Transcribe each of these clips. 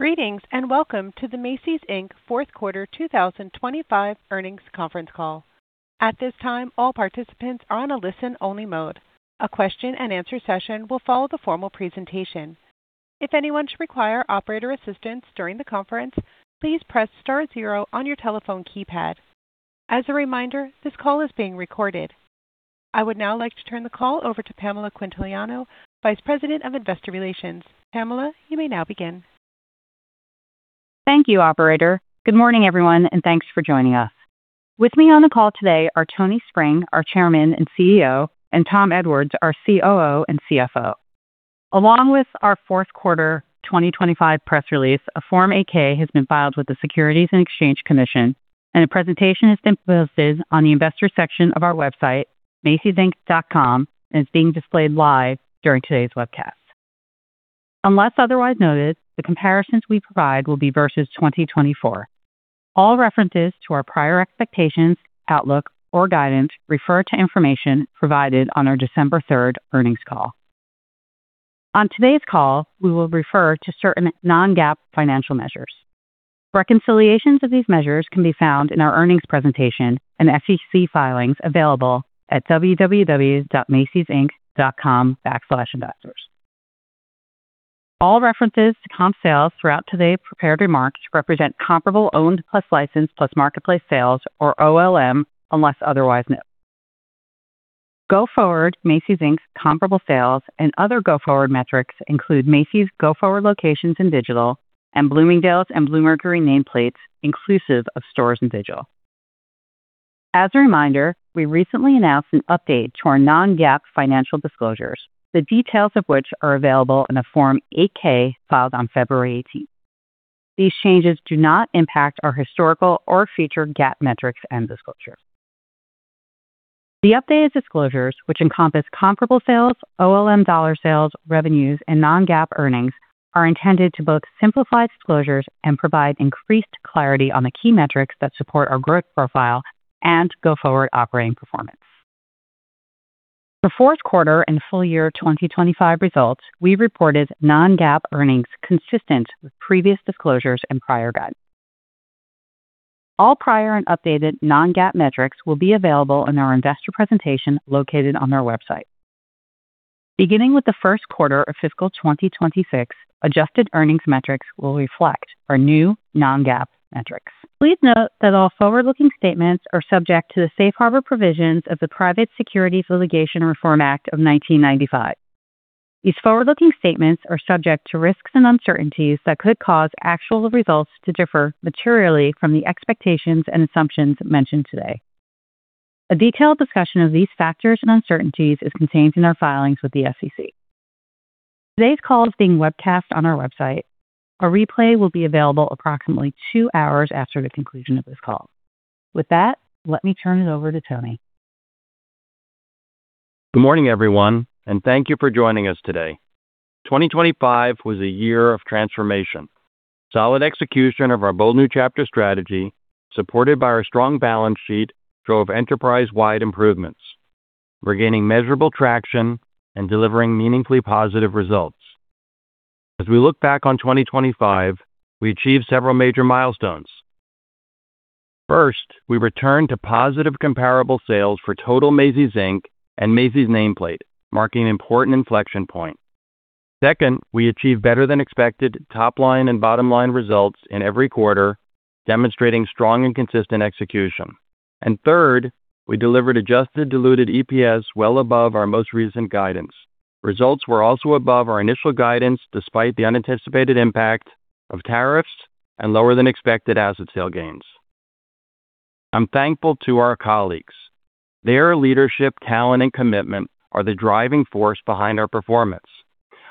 Greetings, and welcome to the Macy's, Inc. Fourth Quarter 2025 earnings conference call. At this time, all participants are on a listen-only mode. A question-and-answer session will follow the formal presentation. If anyone should require operator assistance during the conference, please press star zero on your telephone keypad. As a reminder, this call is being recorded. I would now like to turn the call over to Pamela Quintiliano, Vice President, Investor Relations. Pamela, you may now begin. Thank you, operator. Good morning, everyone, and thanks for joining us. With me on the call today are Tony Spring, our Chairman and CEO, and Tom Edwards, our COO and CFO. Along with our Fourth Quarter 2025 press release, a Form 8-K has been filed with the Securities and Exchange Commission, and a presentation has been posted on the investor section of our website, macysinc.com, and is being displayed live during today's webcast. Unless otherwise noted, the comparisons we provide will be versus 2024. All references to our prior expectations, outlook or guidance refer to information provided on our December third earnings call. On today's call, we will refer to certain non-GAAP financial measures. Reconciliations of these measures can be found in our earnings presentation and SEC filings available at www.macysinc.com/investors. All references to comp sales throughout today's prepared remarks represent comparable Owned plus Licensed plus Marketplace Sales, or O+L+M, unless otherwise noted. Going forward, Macy's, Inc.'s comparable sales and other go-forward metrics include Macy's go-forward locations in digital and Bloomingdale's and Bluemercury nameplates, inclusive of stores in digital. As a reminder, we recently announced an update to our non-GAAP financial disclosures, the details of which are available in a Form 8-K filed on February 18th. These changes do not impact our historical or future GAAP metrics and disclosures. The updated disclosures, which encompass comparable sales, O+L+M dollar sales, revenues, and non-GAAP earnings, are intended to both simplify disclosures and provide increased clarity on the key metrics that support our growth profile and go-forward operating performance. For fourth quarter and full year 2025 results, we reported non-GAAP earnings consistent with previous disclosures and prior guidance. All prior and updated non-GAAP metrics will be available in our investor presentation located on our website. Beginning with the first quarter of fiscal 2026, adjusted earnings metrics will reflect our new non-GAAP metrics. Please note that all forward-looking statements are subject to the safe harbor provisions of the Private Securities Litigation Reform Act of 1995. These forward-looking statements are subject to risks and uncertainties that could cause actual results to differ materially from the expectations and assumptions mentioned today. A detailed discussion of these factors and uncertainties is contained in our filings with the SEC. Today's call is being webcast on our website. A replay will be available approximately two hours after the conclusion of this call. With that, let me turn it over to Tony. Good morning, everyone, and thank you for joining us today. 2025 was a year of transformation. Solid execution of "A Bold New Chapter" strategy, supported by our strong balance sheet, drove enterprise-wide improvements. We're gaining measurable traction and delivering meaningfully positive results. As we look back on 2025, we achieved several major milestones. First, we returned to positive comparable sales for total Macy's, Inc. and Macy's nameplate, marking an important inflection point. Second, we achieved better-than-expected top line and bottom line results in every quarter, demonstrating strong and consistent execution. Third, we delivered Adjusted diluted EPS well above our most recent guidance. Results were also above our initial guidance, despite the unanticipated impact of tariffs and lower-than-expected asset sale gains. I'm thankful to our colleagues. Their leadership, talent, and commitment are the driving force behind our performance.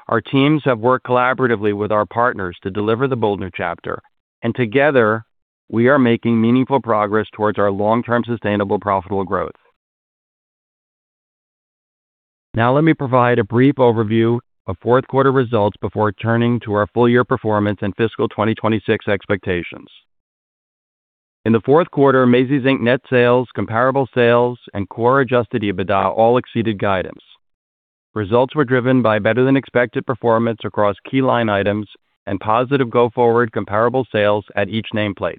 Our teams have worked collaboratively with our partners to deliver "A Bold New Chapter" and together, we are making meaningful progress towards our long-term sustainable profitable growth. Now let me provide a brief overview of fourth quarter results before turning to our full year performance and fiscal 2026 expectations. In the fourth quarter, Macy's, Inc. net sales, comparable sales, and core Adjusted EBITDA all exceeded guidance. Results were driven by better-than-expected performance across key line items and positive go-forward comparable sales at each nameplate,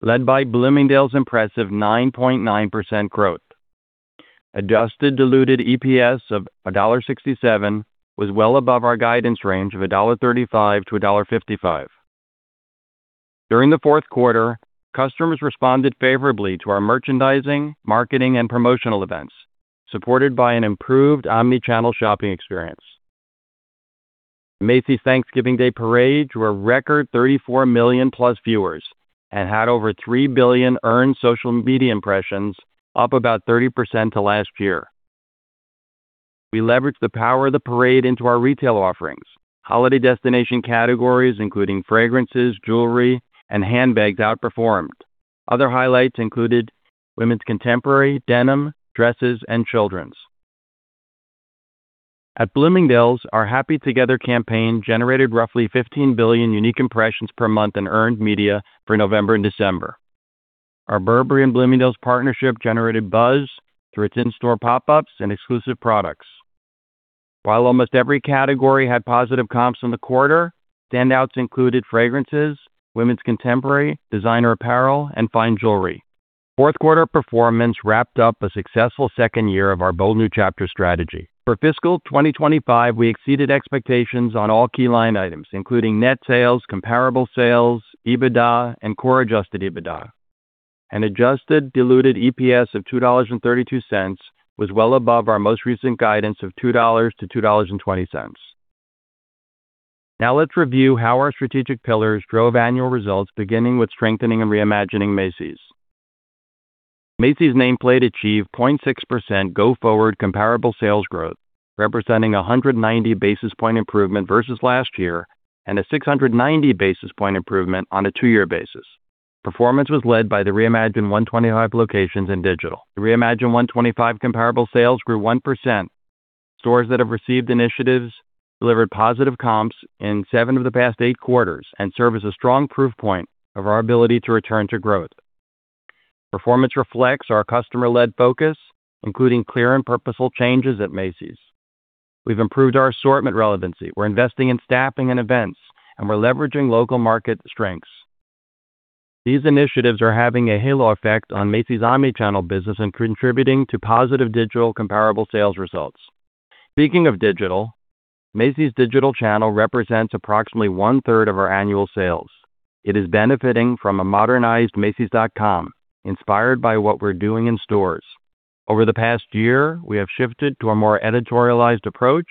led by Bloomingdale's impressive 9.9% growth. Adjusted diluted EPS of $1.67 was well above our guidance range of $1.35-$1.55. During the fourth quarter, customers responded favorably to our merchandising, marketing, and promotional events, supported by an improved omni-channel shopping experience. Macy's Thanksgiving Day Parade drew a record 34 million+ viewers and had over 3 billion earned social media impressions, up about 30% to last year. We leveraged the power of the parade into our retail offerings. Holiday destination categories, including fragrances, jewelry, and handbags, outperformed. Other highlights included women's contemporary, denim, dresses, and children's. At Bloomingdale's, our "Happy Together" campaign generated roughly 15 billion unique impressions per month in earned media for November and December. Our Burberry and Bloomingdale's partnership generated buzz through its in-store pop-ups and exclusive products. While almost every category had positive comps in the quarter, standouts included fragrances, women's contemporary, designer apparel, and fine jewelry. Fourth quarter performance wrapped up a successful second year of "A Bold New Chapter" strategy. For fiscal 2025, we exceeded expectations on all key line items, including net sales, comparable sales, EBITDA, and core Adjusted EBITDA. An Adjusted diluted EPS of $2.32 was well above our most recent guidance of $2-$2.20. Now let's review how our strategic pillars drove annual results, beginning with strengthening and reimagining Macy's. Macy's nameplate achieved 0.6% go-forward comparable sales growth, representing a 190 basis points improvement versus last year and a 690 basis points improvement on a two-year basis. Performance was led by the Reimagine 125 locations in digital. The Reimagine 125 comparable sales grew 1%. Stores that have received initiatives delivered positive comps in seven of the past eight quarters and serve as a strong proof point of our ability to return to growth. Performance reflects our customer-led focus, including clear and purposeful changes at Macy's. We've improved our assortment relevancy. We're investing in staffing and events, and we're leveraging local market strengths. These initiatives are having a halo effect on Macy's omnichannel business and contributing to positive digital comparable sales results. Speaking of digital, Macy's digital channel represents approximately 1/3 of our annual sales. It is benefiting from a modernized macys.com inspired by what we're doing in stores. Over the past year, we have shifted to a more editorialized approach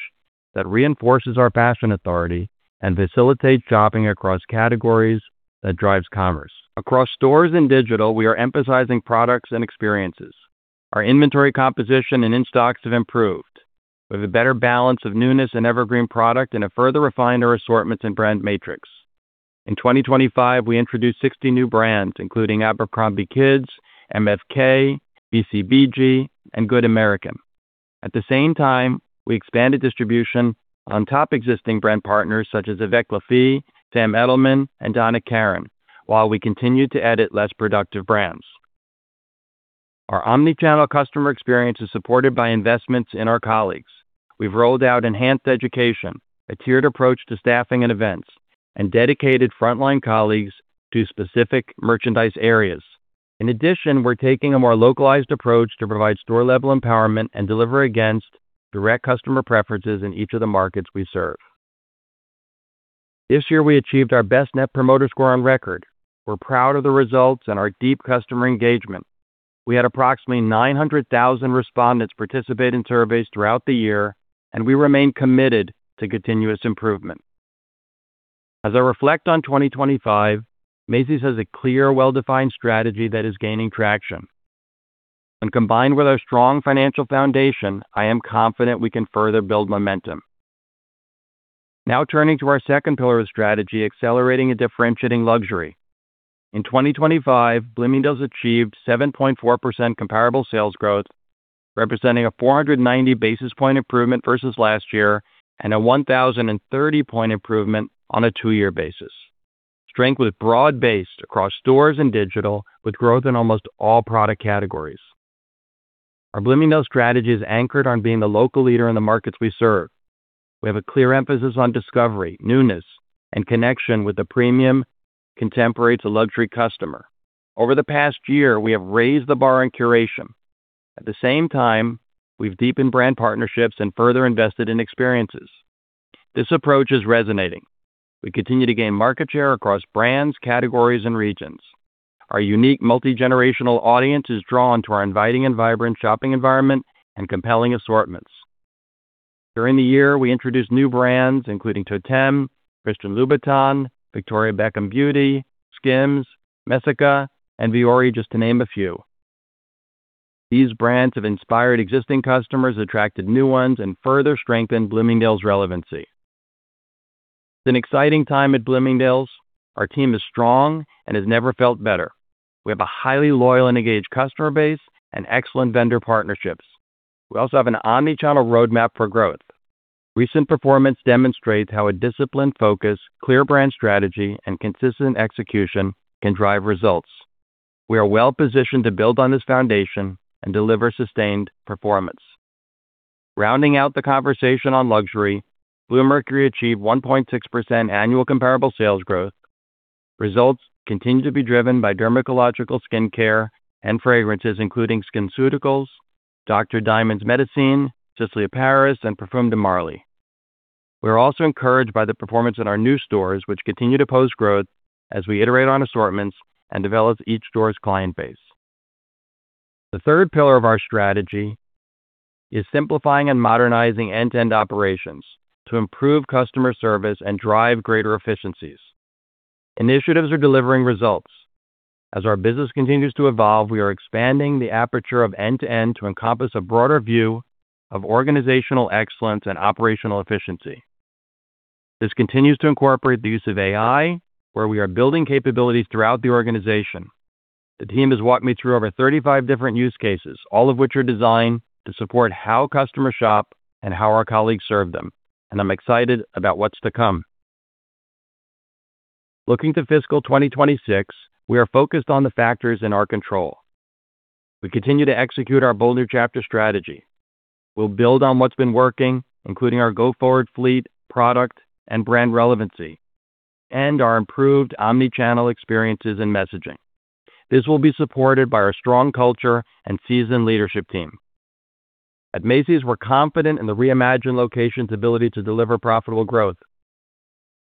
that reinforces our fashion authority and facilitates shopping across categories that drives commerce. Across stores and digital, we are emphasizing products and experiences. Our inventory composition and in-stocks have improved. We have a better balance of newness and evergreen product and have further refined our assortments and brand matrix. In 2025, we introduced 60 new brands, including Abercrombie Kids, MFK, BCBG, and Good American. At the same time, we expanded distribution on top existing brand partners such as Avec Les Filles, Sam Edelman, and Donna Karan, while we continued to edit less productive brands. Our omnichannel customer experience is supported by investments in our colleagues. We've rolled out enhanced education, a tiered approach to staffing and events, and dedicated frontline colleagues to specific merchandise areas. In addition, we're taking a more localized approach to provide store-level empowerment and deliver against direct customer preferences in each of the markets we serve. This year, we achieved our best Net Promoter Score on record. We're proud of the results and our deep customer engagement. We had approximately 900,000 respondents participate in surveys throughout the year, and we remain committed to continuous improvement. As I reflect on 2025, Macy's has a clear, well-defined strategy that is gaining traction. When combined with our strong financial foundation, I am confident we can further build momentum. Now turning to our second pillar of strategy, accelerating and differentiating luxury. In 2025, Bloomingdale's achieved 7.4% comparable sales growth, representing a 490 basis point improvement versus last year and a 1,030-point improvement on a two-year basis. Strength was broad-based across stores and digital, with growth in almost all product categories. Our Bloomingdale's strategy is anchored on being the local leader in the markets we serve. We have a clear emphasis on discovery, newness, and connection with the premium contemporary to luxury customer. Over the past year, we have raised the bar on curation. At the same time, we've deepened brand partnerships and further invested in experiences. This approach is resonating. We continue to gain market share across brands, categories, and regions. Our unique multi-generational audience is drawn to our inviting and vibrant shopping environment and compelling assortments. During the year, we introduced new brands including Totême, Christian Louboutin, Victoria Beckham Beauty, SKIMS, Messika, and Vuori, just to name a few. These brands have inspired existing customers, attracted new ones, and further strengthened Bloomingdale's relevancy. It's an exciting time at Bloomingdale's. Our team is strong and has never felt better. We have a highly loyal and engaged customer base and excellent vendor partnerships. We also have an omnichannel roadmap for growth. Recent performance demonstrates how a disciplined focus, clear brand strategy, and consistent execution can drive results. We are well-positioned to build on this foundation and deliver sustained performance. Rounding out the conversation on luxury, Bluemercury achieved 1.6% annual comparable sales growth. Results continue to be driven by dermatological skincare and fragrances including SkinCeuticals, Dr. Diamond's Metacine, Sisley-Paris, and Parfums de Marly. We're also encouraged by the performance in our new stores, which continue to post growth as we iterate on assortments and develop each store's client base. The third pillar of our strategy is simplifying and modernizing end-to-end operations to improve customer service and drive greater efficiencies. Initiatives are delivering results. As our business continues to evolve, we are expanding the aperture of end-to-end to encompass a broader view of organizational excellence and operational efficiency. This continues to incorporate the use of AI, where we are building capabilities throughout the organization. The team has walked me through over 35 different use cases, all of which are designed to support how customers shop and how our colleagues serve them, and I'm excited about what's to come. Looking to fiscal 2026, we are focused on the factors in our control. We continue to execute "A Bold New Chapter" strategy. We'll build on what's been working, including our go-forward fleet, product, and brand relevancy, and our improved omni-channel experiences and messaging. This will be supported by our strong culture and seasoned leadership team. At Macy's, we're confident in the Reimagine location's ability to deliver profitable growth.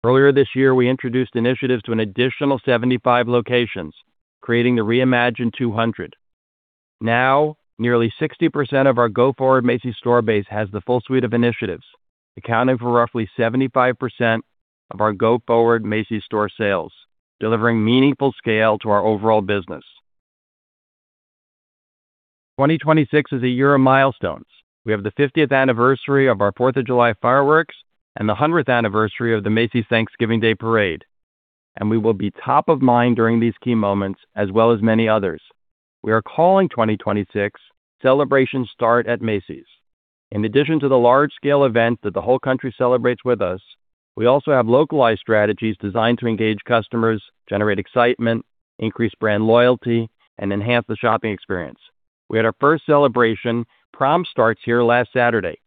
Earlier this year, we introduced initiatives to an additional 75 locations, creating the Reimagine 200. Now, nearly 60% of our go-forward Macy's store base has the full suite of initiatives, accounting for roughly 75% of our go-forward Macy's store sales, delivering meaningful scale to our overall business. 2026 is a year of milestones. We have the 50th anniversary of our Fourth of July fireworks and the 100th anniversary of the Macy's Thanksgiving Day Parade, and we will be top of mind during these key moments as well as many others. We are calling 2026 "Celebrations Start at Macy's." In addition to the large-scale event that the whole country celebrates with us, we also have localized strategies designed to engage customers, generate excitement, increase brand loyalty, and enhance the shopping experience. We had our first celebration, Prom Starts Here, last Saturday.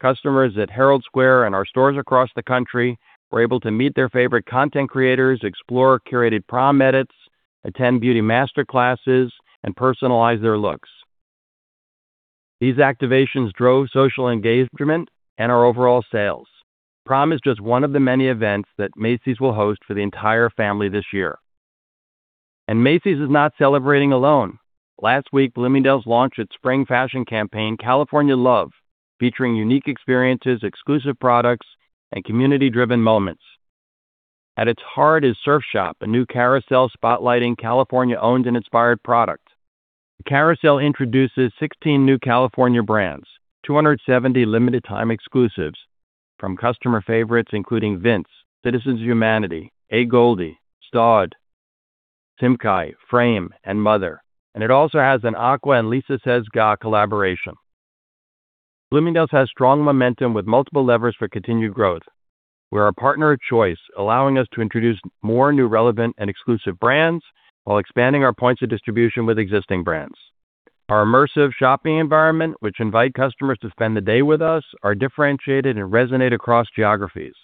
Customers at Herald Square and our stores across the country were able to meet their favorite content creators, explore curated prom edits, attend beauty master classes, and personalize their looks. These activations drove social engagement and our overall sales. Prom is just one of the many events that Macy's will host for the entire family this year. Macy's is not celebrating alone. Last week, Bloomingdale's launched its spring fashion campaign, California Love, featuring unique experiences, exclusive products, and community-driven moments. At its heart is Surf Shop, a new carousel spotlighting California-owned and inspired product. The carousel introduces 16 new California brands, 270 limited time exclusives from customer favorites, including Vince Camuto, Citizens of Humanity, AGOLDE, STAUD, SIMKHAI, FRAME, and MOTHER. It also has an AQUA and Lisa Says Gah collaboration. Bloomingdale's has strong momentum with multiple levers for continued growth. We're a partner of choice, allowing us to introduce more new relevant and exclusive brands while expanding our points of distribution with existing brands. Our immersive shopping environment, which invite customers to spend the day with us, are differentiated and resonate across geographies.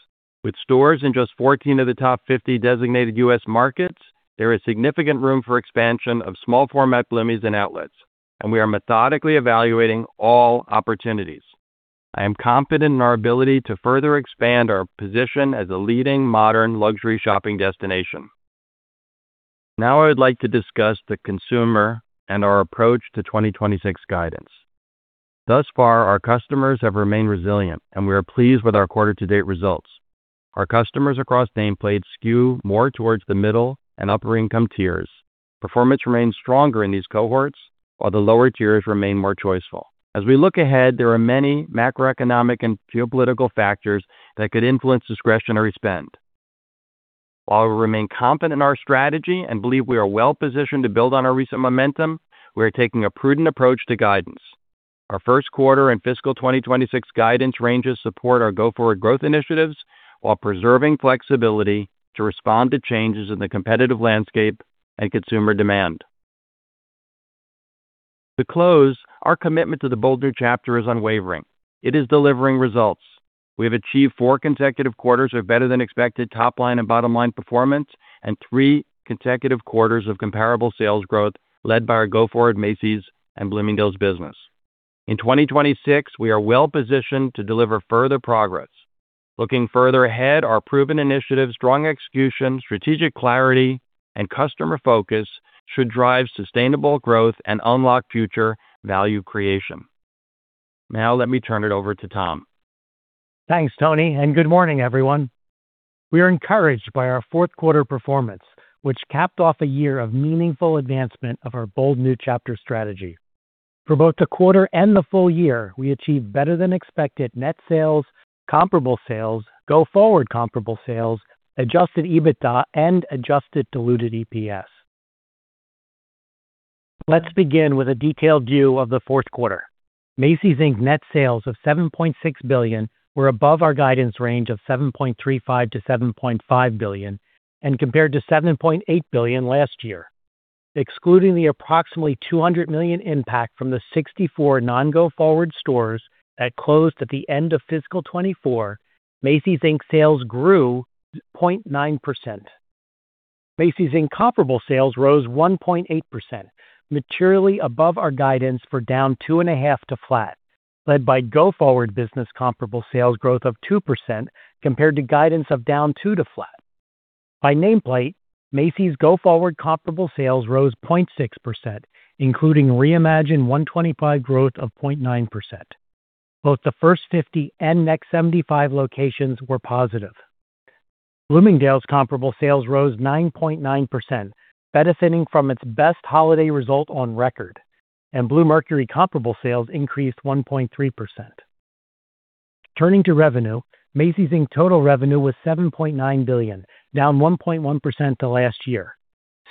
With stores in just 14 of the top 50 designated U.S. markets, there is significant room for expansion of small format Bloomingdale's and outlets, and we are methodically evaluating all opportunities. I am confident in our ability to further expand our position as a leading modern luxury shopping destination. Now, I would like to discuss the consumer and our approach to 2026 guidance. Thus far, our customers have remained resilient, and we are pleased with our quarter to date results. Our customers across nameplates skew more towards the middle and upper-income tiers. Performance remains stronger in these cohorts, while the lower tiers remain more choiceful. As we look ahead, there are many macroeconomic and geopolitical factors that could influence discretionary spend. While we remain confident in our strategy and believe we are well-positioned to build on our recent momentum, we are taking a prudent approach to guidance. Our first quarter and fiscal 2026 guidance ranges support our go-forward growth initiatives while preserving flexibility to respond to changes in the competitive landscape and consumer demand. To close, our commitment to "A Bold New Chapter" is unwavering. It is delivering results. We have achieved four consecutive quarters of better than expected top line and bottom line performance, and three consecutive quarters of comparable sales growth led by our go-forward Macy's and Bloomingdale's business. In 2026, we are well-positioned to deliver further progress. Looking further ahead, our proven initiatives, strong execution, strategic clarity, and customer focus should drive sustainable growth and unlock future value creation. Now, let me turn it over to Tom. Thanks, Tony, and good morning, everyone. We are encouraged by our fourth quarter performance, which capped off a year of meaningful advancement of "A Bold New Chapter" strategy. For both the quarter and the full year, we achieved better than expected net sales, comparable sales, go-forward comparable sales, Adjusted EBITDA, and Adjusted diluted EPS. Let's begin with a detailed view of the fourth quarter. Macy's, Inc. net sales of $7.6 billion were above our guidance range of $7.35-$7.5 billion and compared to $7.8 billion last year. Excluding the approximately $200 million impact from the 64 non-go-forward stores that closed at the end of fiscal 2024, Macy's, Inc. sales grew 0.9%. Macy's, Inc. Comparable sales rose 1.8%, materially above our guidance for down 2.5% to flat, led by go-forward business comparable sales growth of 2% compared to guidance of down 2% to flat. By nameplate, Macy's go-forward comparable sales rose 0.6%, including Reimagine 125 growth of 0.9%. Both the first 50 and next 75 locations were positive. Bloomingdale's comparable sales rose 9.9%, benefiting from its best holiday result on record, and Bluemercury comparable sales increased 1.3%. Turning to revenue, Macy's, Inc. total revenue was $7.9 billion, down 1.1% to last year.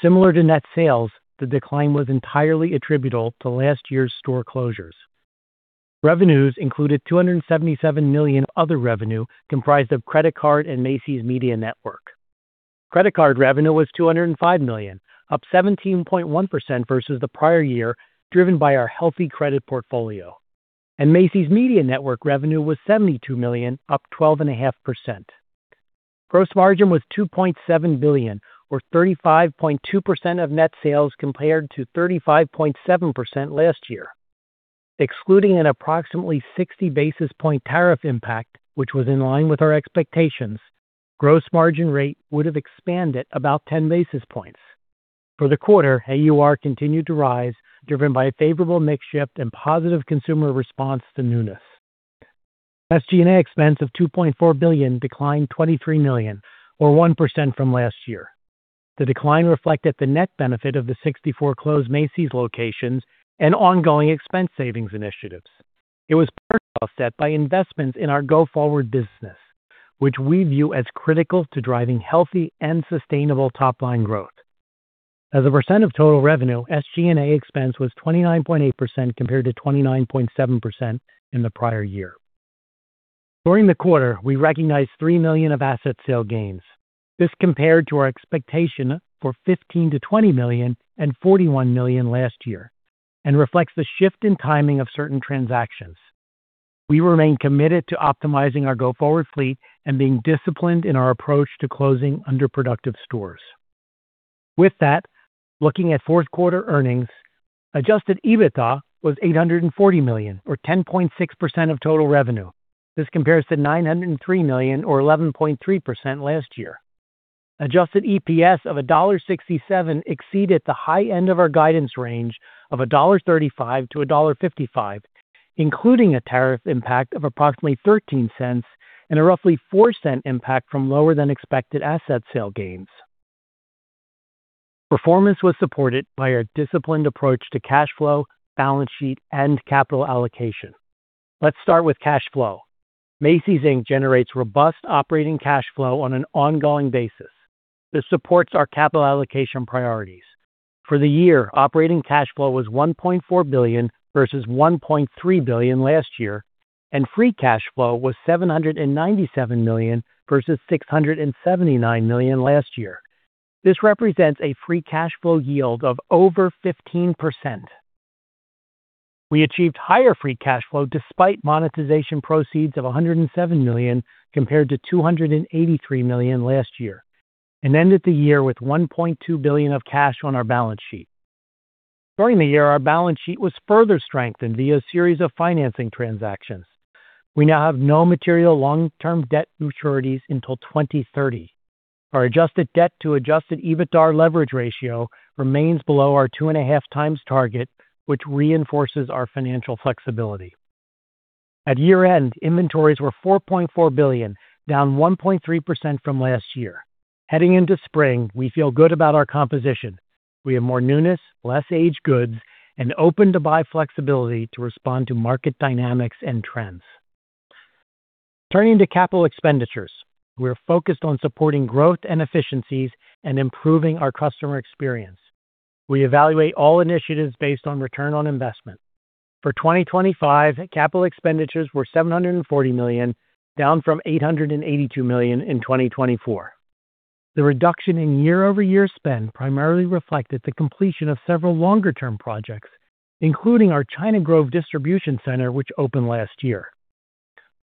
Similar to net sales, the decline was entirely attributable to last year's store closures. Revenues included $277 million other revenue comprised of credit card and Macy's Media Network. Credit card revenue was $205 million, up 17.1% versus the prior year, driven by our healthy credit portfolio. Macy's Media Network revenue was $72 million, up 12.5%. Gross margin was $2.7 billion, or 35.2% of net sales compared to 35.7% last year. Excluding an approximately 60 basis point tariff impact, which was in line with our expectations, gross margin rate would have expanded about 10 basis points. For the quarter, AUR continued to rise, driven by a favorable mix shift and positive consumer response to newness. SG&A expense of $2.4 billion declined $23 million or 1% from last year. The decline reflected the net benefit of the 64 closed Macy's locations and ongoing expense savings initiatives. It was partially offset by investments in our go-forward business, which we view as critical to driving healthy and sustainable top-line growth. As a percent of total revenue, SG&A expense was 29.8% compared to 29.7% in the prior year. During the quarter, we recognized $3 million of asset sale gains. This compared to our expectation for $15 million-$20 million and $41 million last year and reflects the shift in timing of certain transactions. We remain committed to optimizing our go-forward fleet and being disciplined in our approach to closing underproductive stores. With that, looking at fourth quarter earnings, Adjusted EBITDA was $840 million or 10.6% of total revenue. This compares to $903 million or 11.3% last year. Adjusted EPS of $1.67 exceeded the high end of our guidance range of $1.35-$1.55, including a tariff impact of approximately $0.13 and a roughly $0.04 impact from lower than expected asset sale gains. Performance was supported by our disciplined approach to cash flow, balance sheet, and capital allocation. Let's start with cash flow. Macy's, Inc. generates robust operating cash flow on an ongoing basis. This supports our capital allocation priorities. For the year, operating cash flow was $1.4 billion versus $1.3 billion last year, and free cash flow was $797 million versus $679 million last year. This represents a free cash flow yield of over 15%. We achieved higher free cash flow despite monetization proceeds of $107 million compared to $283 million last year and ended the year with $1.2 billion of cash on our balance sheet. During the year, our balance sheet was further strengthened via a series of financing transactions. We now have no material long-term debt maturities until 2030. Our Adjusted debt to Adjusted EBITDAR leverage ratio remains below our 2.5x target, which reinforces our financial flexibility. At year-end, inventories were $4.4 billion, down 1.3% from last year. Heading into spring, we feel good about our composition. We have more newness, less aged goods, and open-to-buy flexibility to respond to market dynamics and trends. Turning to capital expenditures, we're focused on supporting growth and efficiencies and improving our customer experience. We evaluate all initiatives based on return on investment. For 2025, capital expenditures were $740 million, down from $882 million in 2024. The reduction in year-over-year spend primarily reflected the completion of several longer-term projects, including our China Grove distribution center, which opened last year.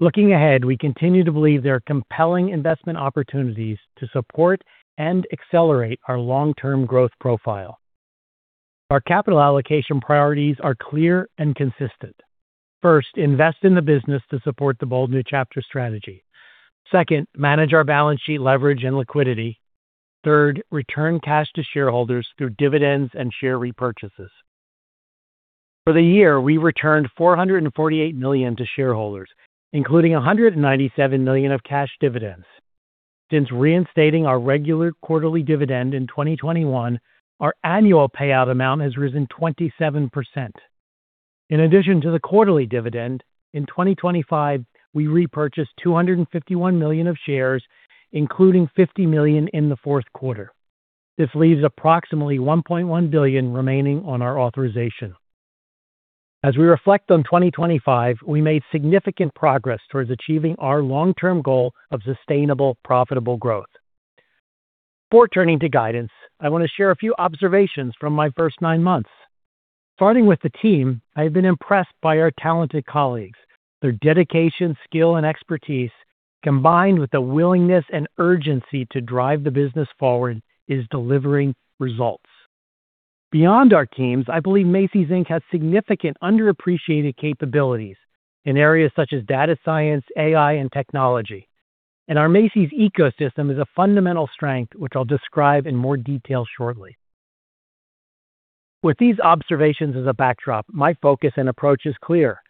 Looking ahead, we continue to believe there are compelling investment opportunities to support and accelerate our long-term growth profile. Our capital allocation priorities are clear and consistent. First, invest in the business to support "A Bold New Chapter" strategy. Second, manage our balance sheet leverage and liquidity. Third, return cash to shareholders through dividends and share repurchases. For the year, we returned $448 million to shareholders, including $197 million of cash dividends. Since reinstating our regular quarterly dividend in 2021, our annual payout amount has risen 27%. In addition to the quarterly dividend, in 2025, we repurchased $251 million of shares, including $50 million in the fourth quarter. This leaves approximately $1.1 billion remaining on our authorization. As we reflect on 2025, we made significant progress towards achieving our long-term goal of sustainable, profitable growth. Before turning to guidance, I want to share a few observations from my first nine months. Starting with the team, I have been impressed by our talented colleagues. Their dedication, skill, and expertise, combined with the willingness and urgency to drive the business forward, is delivering results. Beyond our teams, I believe Macy's, Inc. has significant underappreciated capabilities in areas such as data science, AI, and technology. Our Macy's ecosystem is a fundamental strength, which I'll describe in more detail shortly. With these observations as a backdrop, my focus and approach is clear: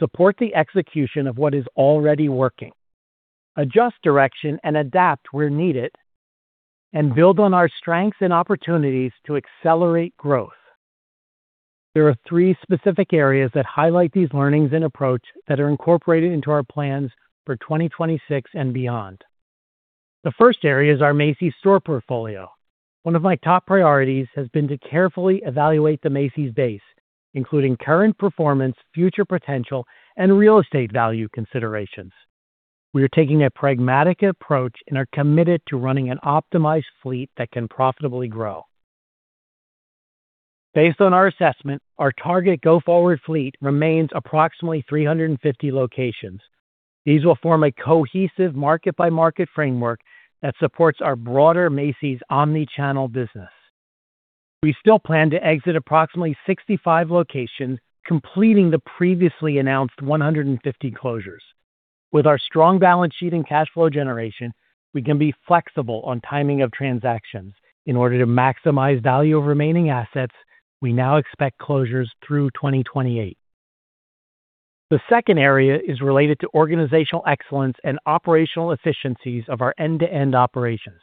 support the execution of what is already working, adjust direction and adapt where needed, and build on our strengths and opportunities to accelerate growth. There are three specific areas that highlight these learnings and approach that are incorporated into our plans for 2026 and beyond. The first area is our Macy's store portfolio. One of my top priorities has been to carefully evaluate the Macy's base, including current performance, future potential, and real estate value considerations. We are taking a pragmatic approach and are committed to running an optimized fleet that can profitably grow. Based on our assessment, our target go-forward fleet remains approximately 350 locations. These will form a cohesive market-by-market framework that supports our broader Macy's omnichannel business. We still plan to exit approximately 65 locations, completing the previously announced 150 closures. With our strong balance sheet and cash flow generation, we can be flexible on timing of transactions. In order to maximize value of remaining assets, we now expect closures through 2028. The second area is related to organizational excellence and operational efficiencies of our end-to-end operations.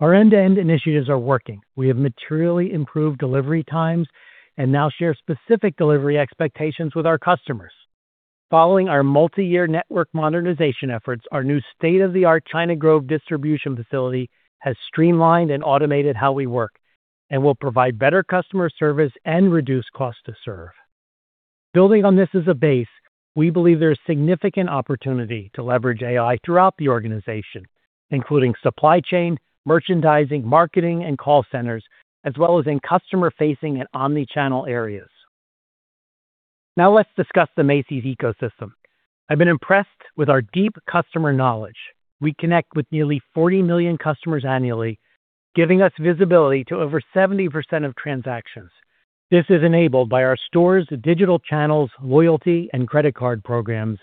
Our end-to-end initiatives are working. We have materially improved delivery times and now share specific delivery expectations with our customers. Following our multi-year network modernization efforts, our new state-of-the-art China Grove distribution facility has streamlined and automated how we work and will provide better customer service and reduce cost to serve. Building on this as a base, we believe there is significant opportunity to leverage AI throughout the organization, including supply chain, merchandising, marketing, and call centers, as well as in customer-facing and omnichannel areas. Now let's discuss the Macy's ecosystem. I've been impressed with our deep customer knowledge. We connect with nearly 40 million customers annually, giving us visibility to over 70% of transactions. This is enabled by our stores, digital channels, loyalty, and credit card programs,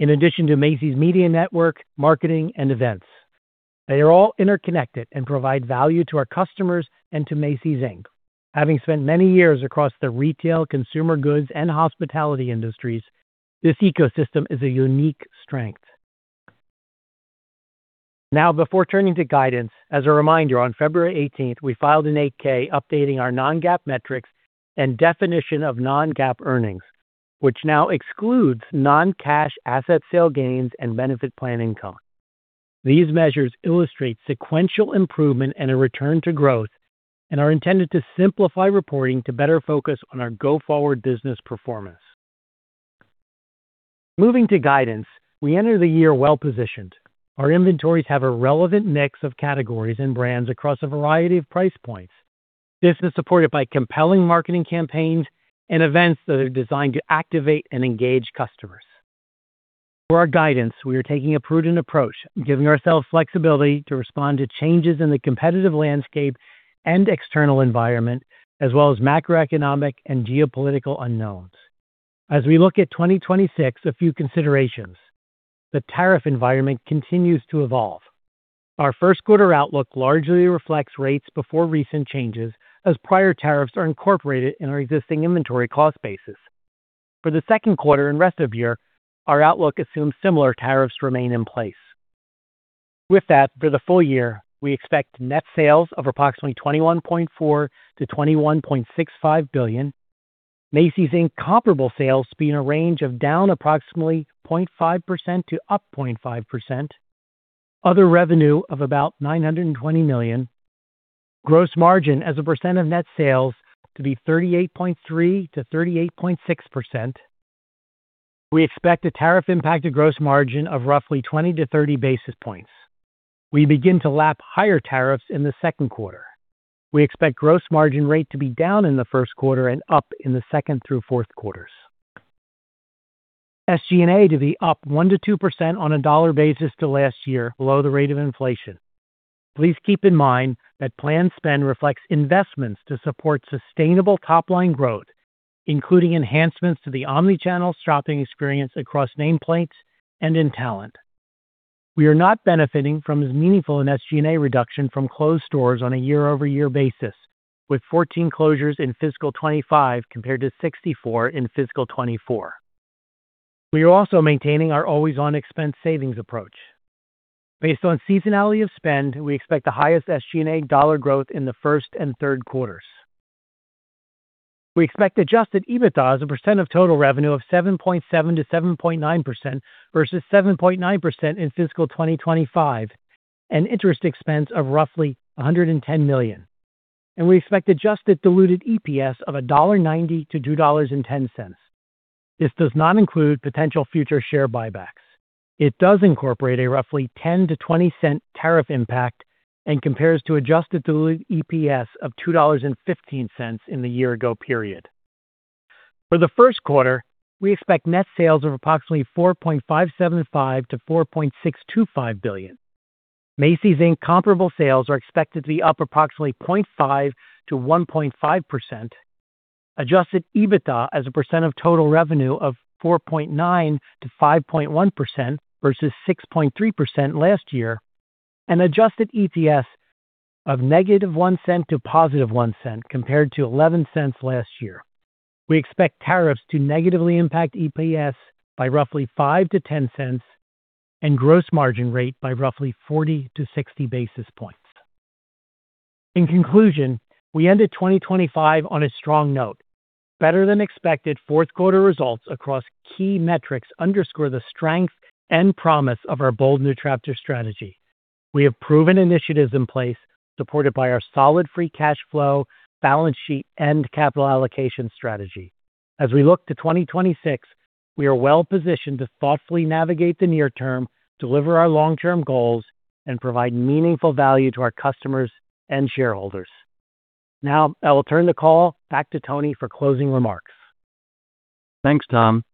in addition to Macy's Media Network, marketing, and events. They are all interconnected and provide value to our customers and to Macy's, Inc. Having spent many years across the retail, consumer goods, and hospitality industries, this ecosystem is a unique strength. Now, before turning to guidance, as a reminder, on February 18, we filed an 8-K updating our non-GAAP metrics and definition of non-GAAP earnings, which now excludes non-cash asset sale gains and benefit plan income. These measures illustrate sequential improvement and a return to growth and are intended to simplify reporting to better focus on our go-forward business performance. Moving to guidance, we enter the year well-positioned. Our inventories have a relevant mix of categories and brands across a variety of price points. This is supported by compelling marketing campaigns and events that are designed to activate and engage customers. For our guidance, we are taking a prudent approach, giving ourselves flexibility to respond to changes in the competitive landscape and external environment, as well as macroeconomic and geopolitical unknowns. As we look at 2026, a few considerations. The tariff environment continues to evolve. Our first quarter outlook largely reflects rates before recent changes, as prior tariffs are incorporated in our existing inventory cost basis. For the second quarter and rest of year, our outlook assumes similar tariffs remain in place. With that, for the full year, we expect net sales of approximately $21.4 billion-$21.65 billion. Macy's, Inc. Comparable sales to be in a range of -0.5% to +0.5%. Other revenue of about $920 million. Gross margin as a percent of net sales to be 38.3%-38.6%. We expect a tariff impact to gross margin of roughly 20 basis points-30 basis points. We begin to lap higher tariffs in the second quarter. We expect gross margin rate to be down in the first quarter and up in the second through fourth quarters. SG&A to be up 1%-2% on a dollar basis to last year, below the rate of inflation. Please keep in mind that planned spend reflects investments to support sustainable top-line growth, including enhancements to the omnichannel shopping experience across nameplates and in talent. We are not benefiting from as meaningful an SG&A reduction from closed stores on a year-over-year basis, with 14 closures in fiscal 2025 compared to 64 in fiscal 2024. We are also maintaining our always-on expense savings approach. Based on seasonality of spend, we expect the highest SG&A dollar growth in the first and third quarters. We expect Adjusted EBITDA as a percent of total revenue of 7.7%-7.9% versus 7.9% in fiscal 2025, and interest expense of roughly $110 million. We expect Adjusted diluted EPS of $1.90-$2.10. This does not include potential future share buybacks. It does incorporate a roughly $0.10-$0.20 Tariff impact and compares to Adjusted diluted EPS of $2.15 in the year ago period. For the first quarter, we expect net sales of approximately $4.575 billion-$4.625 billion. Macy's, Inc. comparable sales are expected to be up approximately 0.5%-1.5%. Adjusted EBITDA as a percent of total revenue of 4.9%-5.1% versus 6.3% last year. Adjusted EPS of -$0.01 to +$0.01 compared to $0.11 last year. We expect tariffs to negatively impact EPS by roughly $0.05-$0.10 and gross margin rate by roughly 40 basis points-60 basis points. In conclusion, we ended 2025 on a strong note. Better than expected fourth quarter results across key metrics underscore the strength and promise of our "A Bold New Chapter" strategy. We have proven initiatives in place supported by our solid free cash flow, balance sheet and capital allocation strategy. As we look to 2026, we are well-positioned to thoughtfully navigate the near term, deliver our long-term goals, and provide meaningful value to our customers and shareholders. Now, I will turn the call back to Tony for closing remarks. Thanks, Tom.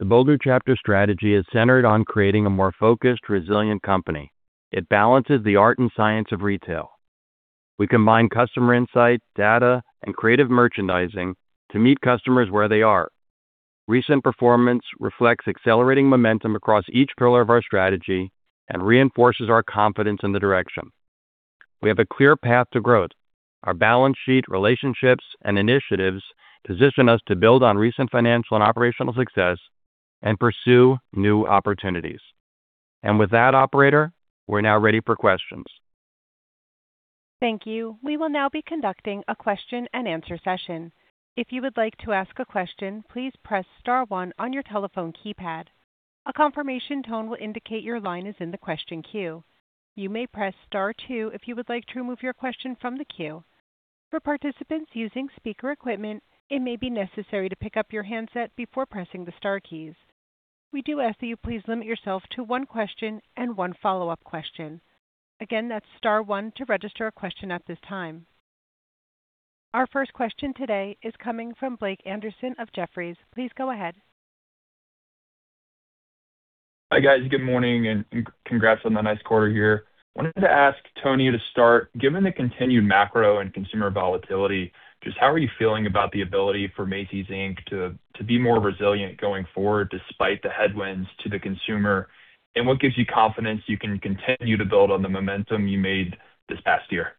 "A Bold New Chapter" strategy is centered on creating a more focused, resilient company. It balances the art and science of retail. We combine customer insights, data, and creative merchandising to meet customers where they are. Recent performance reflects accelerating momentum across each pillar of our strategy and reinforces our confidence in the direction. We have a clear path to growth. Our balance sheet, relationships, and initiatives position us to build on recent financial and operational success and pursue new opportunities. With that operator, we're now ready for questions. Thank you. We will now be conducting a question-and-answer session. If you would like to ask a question, please press star one on your telephone keypad. A confirmation tone will indicate your line is in the question queue. You may press star two if you would like to remove your question from the queue. For participants using speaker equipment, it may be necessary to pick up your handset before pressing the star keys. We do ask that you please limit yourself to one question and one follow-up question. Again, that's star one to register a question at this time. Our first question today is coming from Blake Anderson of Jefferies. Please go ahead. Hi, guys. Good morning and congrats on the nice quarter here. Wanted to ask Tony to start. Given the continued macro and consumer volatility, just how are you feeling about the ability for Macy's, Inc. to be more resilient going forward despite the headwinds to the consumer? What gives you confidence you can continue to build on the momentum you made this past year?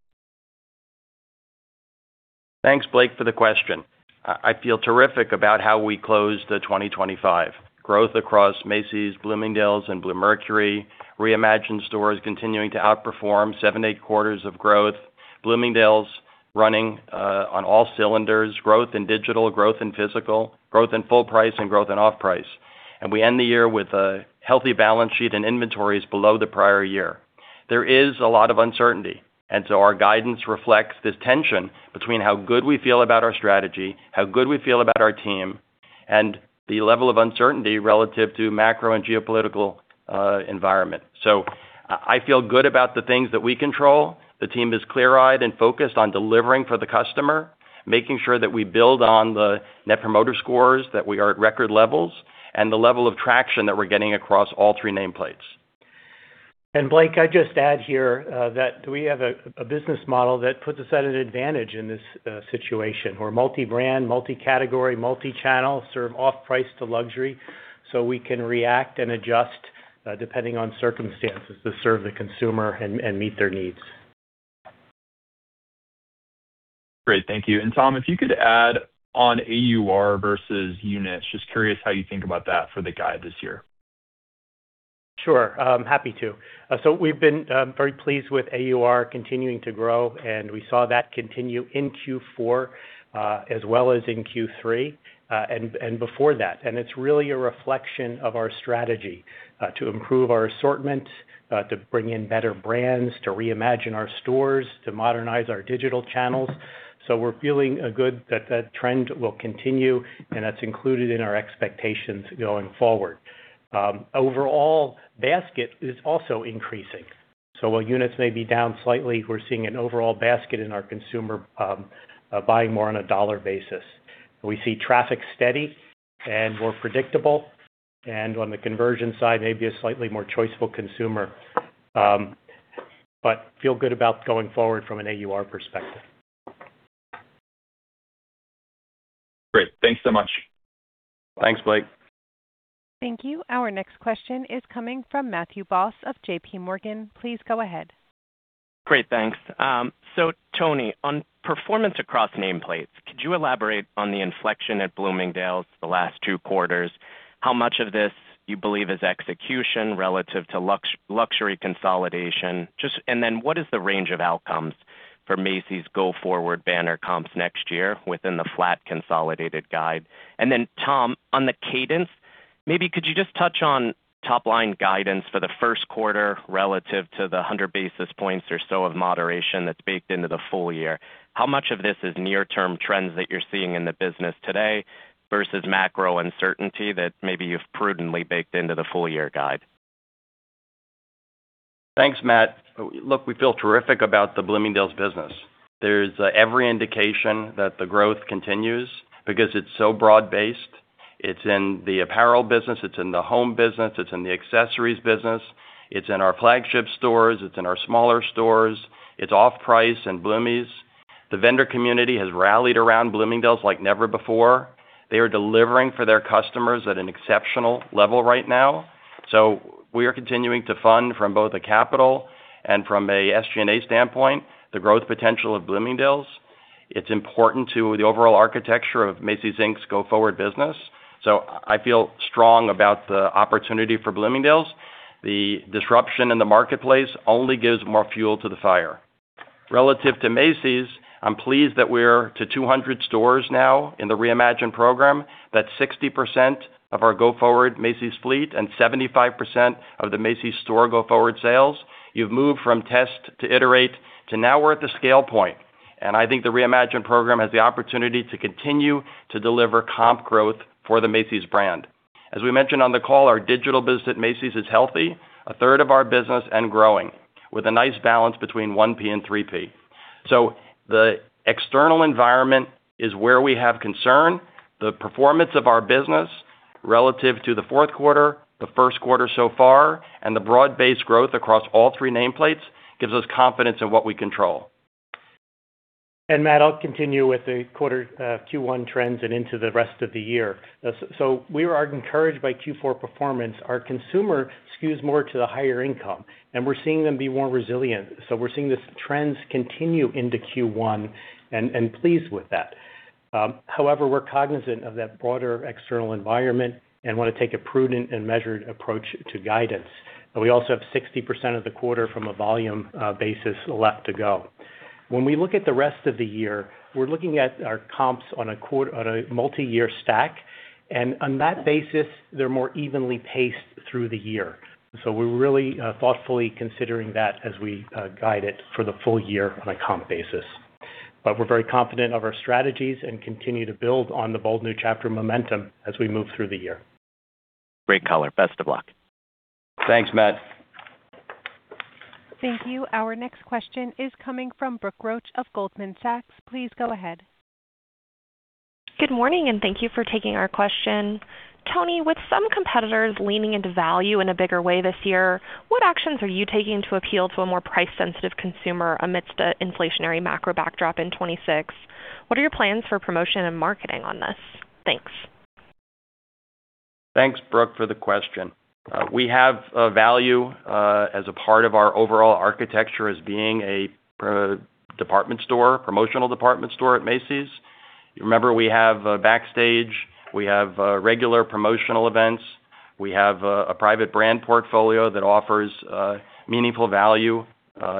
Thanks, Blake, for the question. I feel terrific about how we closed the 2025. Growth across Macy's, Bloomingdale's, and Bluemercury. Reimagine stores continuing to outperform 7 quarters-8 quarters of growth. Bloomingdale's running on all cylinders. Growth in digital, growth in physical, growth in full price and growth in off-price. We end the year with a healthy balance sheet and inventories below the prior year. There is a lot of uncertainty, our guidance reflects this tension between how good we feel about our strategy, how good we feel about our team, and the level of uncertainty relative to macro and geopolitical environment. I feel good about the things that we control. The team is clear-eyed and focused on delivering for the customer, making sure that we build on the Net Promoter Scores, that we are at record levels, and the level of traction that we're getting across all three nameplates. Blake, I'd just add here that we have a business model that puts us at an advantage in this situation. We're multi-brand, multi-category, multi-channel, serve off-price to luxury, so we can react and adjust depending on circumstances to serve the consumer and meet their needs. Great. Thank you. Tom, if you could add on AUR versus units, just curious how you think about that for the guide this year? Sure, happy to. We've been very pleased with AUR continuing to grow, and we saw that continue in Q4, as well as in Q3, and before that. It's really a reflection of our strategy to improve our assortment, to bring in better brands, to Reimagine our stores, to modernize our digital channels. We're feeling good that that trend will continue, and that's included in our expectations going forward. Overall basket is also increasing. While units may be down slightly, we're seeing an overall basket in our consumer buying more on a dollar basis. We see traffic steady and more predictable, and on the conversion side, maybe a slightly more choiceful consumer. Feel good about going forward from an AUR perspective. Great. Thanks so much. Thanks, Blake. Thank you. Our next question is coming from Matthew Boss of JPMorgan. Please go ahead. Great, thanks. Tony, on performance across nameplates, could you elaborate on the inflection at Bloomingdale's the last two quarters? How much of this you believe is execution relative to luxury consolidation? What is the range of outcomes for Macy's go-forward banner comps next year within the flat consolidated guide? Tom, on the cadence, maybe could you just touch on top-line guidance for the first quarter relative to the 100 basis points or so of moderation that's baked into the full year? How much of this is near-term trends that you're seeing in the business today versus macro uncertainty that maybe you've prudently baked into the full year guide? Thanks, Matt. Look, we feel terrific about the Bloomingdale's business. There's every indication that the growth continues because it's so broad-based. It's in the apparel business, it's in the home business, it's in the accessories business, it's in our flagship stores, it's in our smaller stores, it's off price in Bloomie's. The vendor community has rallied around Bloomingdale's like never before. They are delivering for their customers at an exceptional level right now. We are continuing to fund from both a capital and from a SG&A standpoint, the growth potential of Bloomingdale's. It's important to the overall architecture of Macy's, Inc.'s go-forward business. I feel strong about the opportunity for Bloomingdale's. The disruption in the marketplace only gives more fuel to the fire. Relative to Macy's, I'm pleased that we're up to 200 stores now in the Reimagine program. That's 60% of our go-forward Macy's fleet and 75% of the Macy's store go-forward sales. You've moved from test to iterate to now we're at the scale point, and I think the Reimagine program has the opportunity to continue to deliver comp growth for the Macy's brand. As we mentioned on the call, our digital business at Macy's is healthy, 1/3 of our business and growing, with a nice balance between 1P and 3P. The external environment is where we have concern. The performance of our business relative to the fourth quarter, the first quarter so far, and the broad-based growth across all three nameplates gives us confidence in what we control. Matt, I'll continue with the quarter, Q1 trends and into the rest of the year. We are encouraged by Q4 performance. Our consumer skews more to the higher income, and we're seeing them be more resilient. We're seeing these trends continue into Q1 and pleased with that. However, we're cognizant of that broader external environment and wanna take a prudent and measured approach to guidance. We also have 60% of the quarter from a volume basis left to go. When we look at the rest of the year, we're looking at our comps on a multi-year stack, and on that basis, they're more evenly paced through the year. We're really thoughtfully considering that as we guide it for the full year on a comp basis. We're very confident of our strategies and continue to build on the "A Bold New Chapter" momentum as we move through the year. Great color. Best of luck. Thanks, Matt. Thank you. Our next question is coming from Brooke Roach of Goldman Sachs. Please go ahead. Good morning, and thank you for taking our question. Tony, with some competitors leaning into value in a bigger way this year, what actions are you taking to appeal to a more price-sensitive consumer amidst the inflationary macro backdrop in 2026? What are your plans for promotion and marketing on this? Thanks. Thanks, Brooke, for the question. We have value as a part of our overall architecture as being a department store, promotional department store at Macy's. Remember, we have backstage, we have regular promotional events. We have a private brand portfolio that offers meaningful value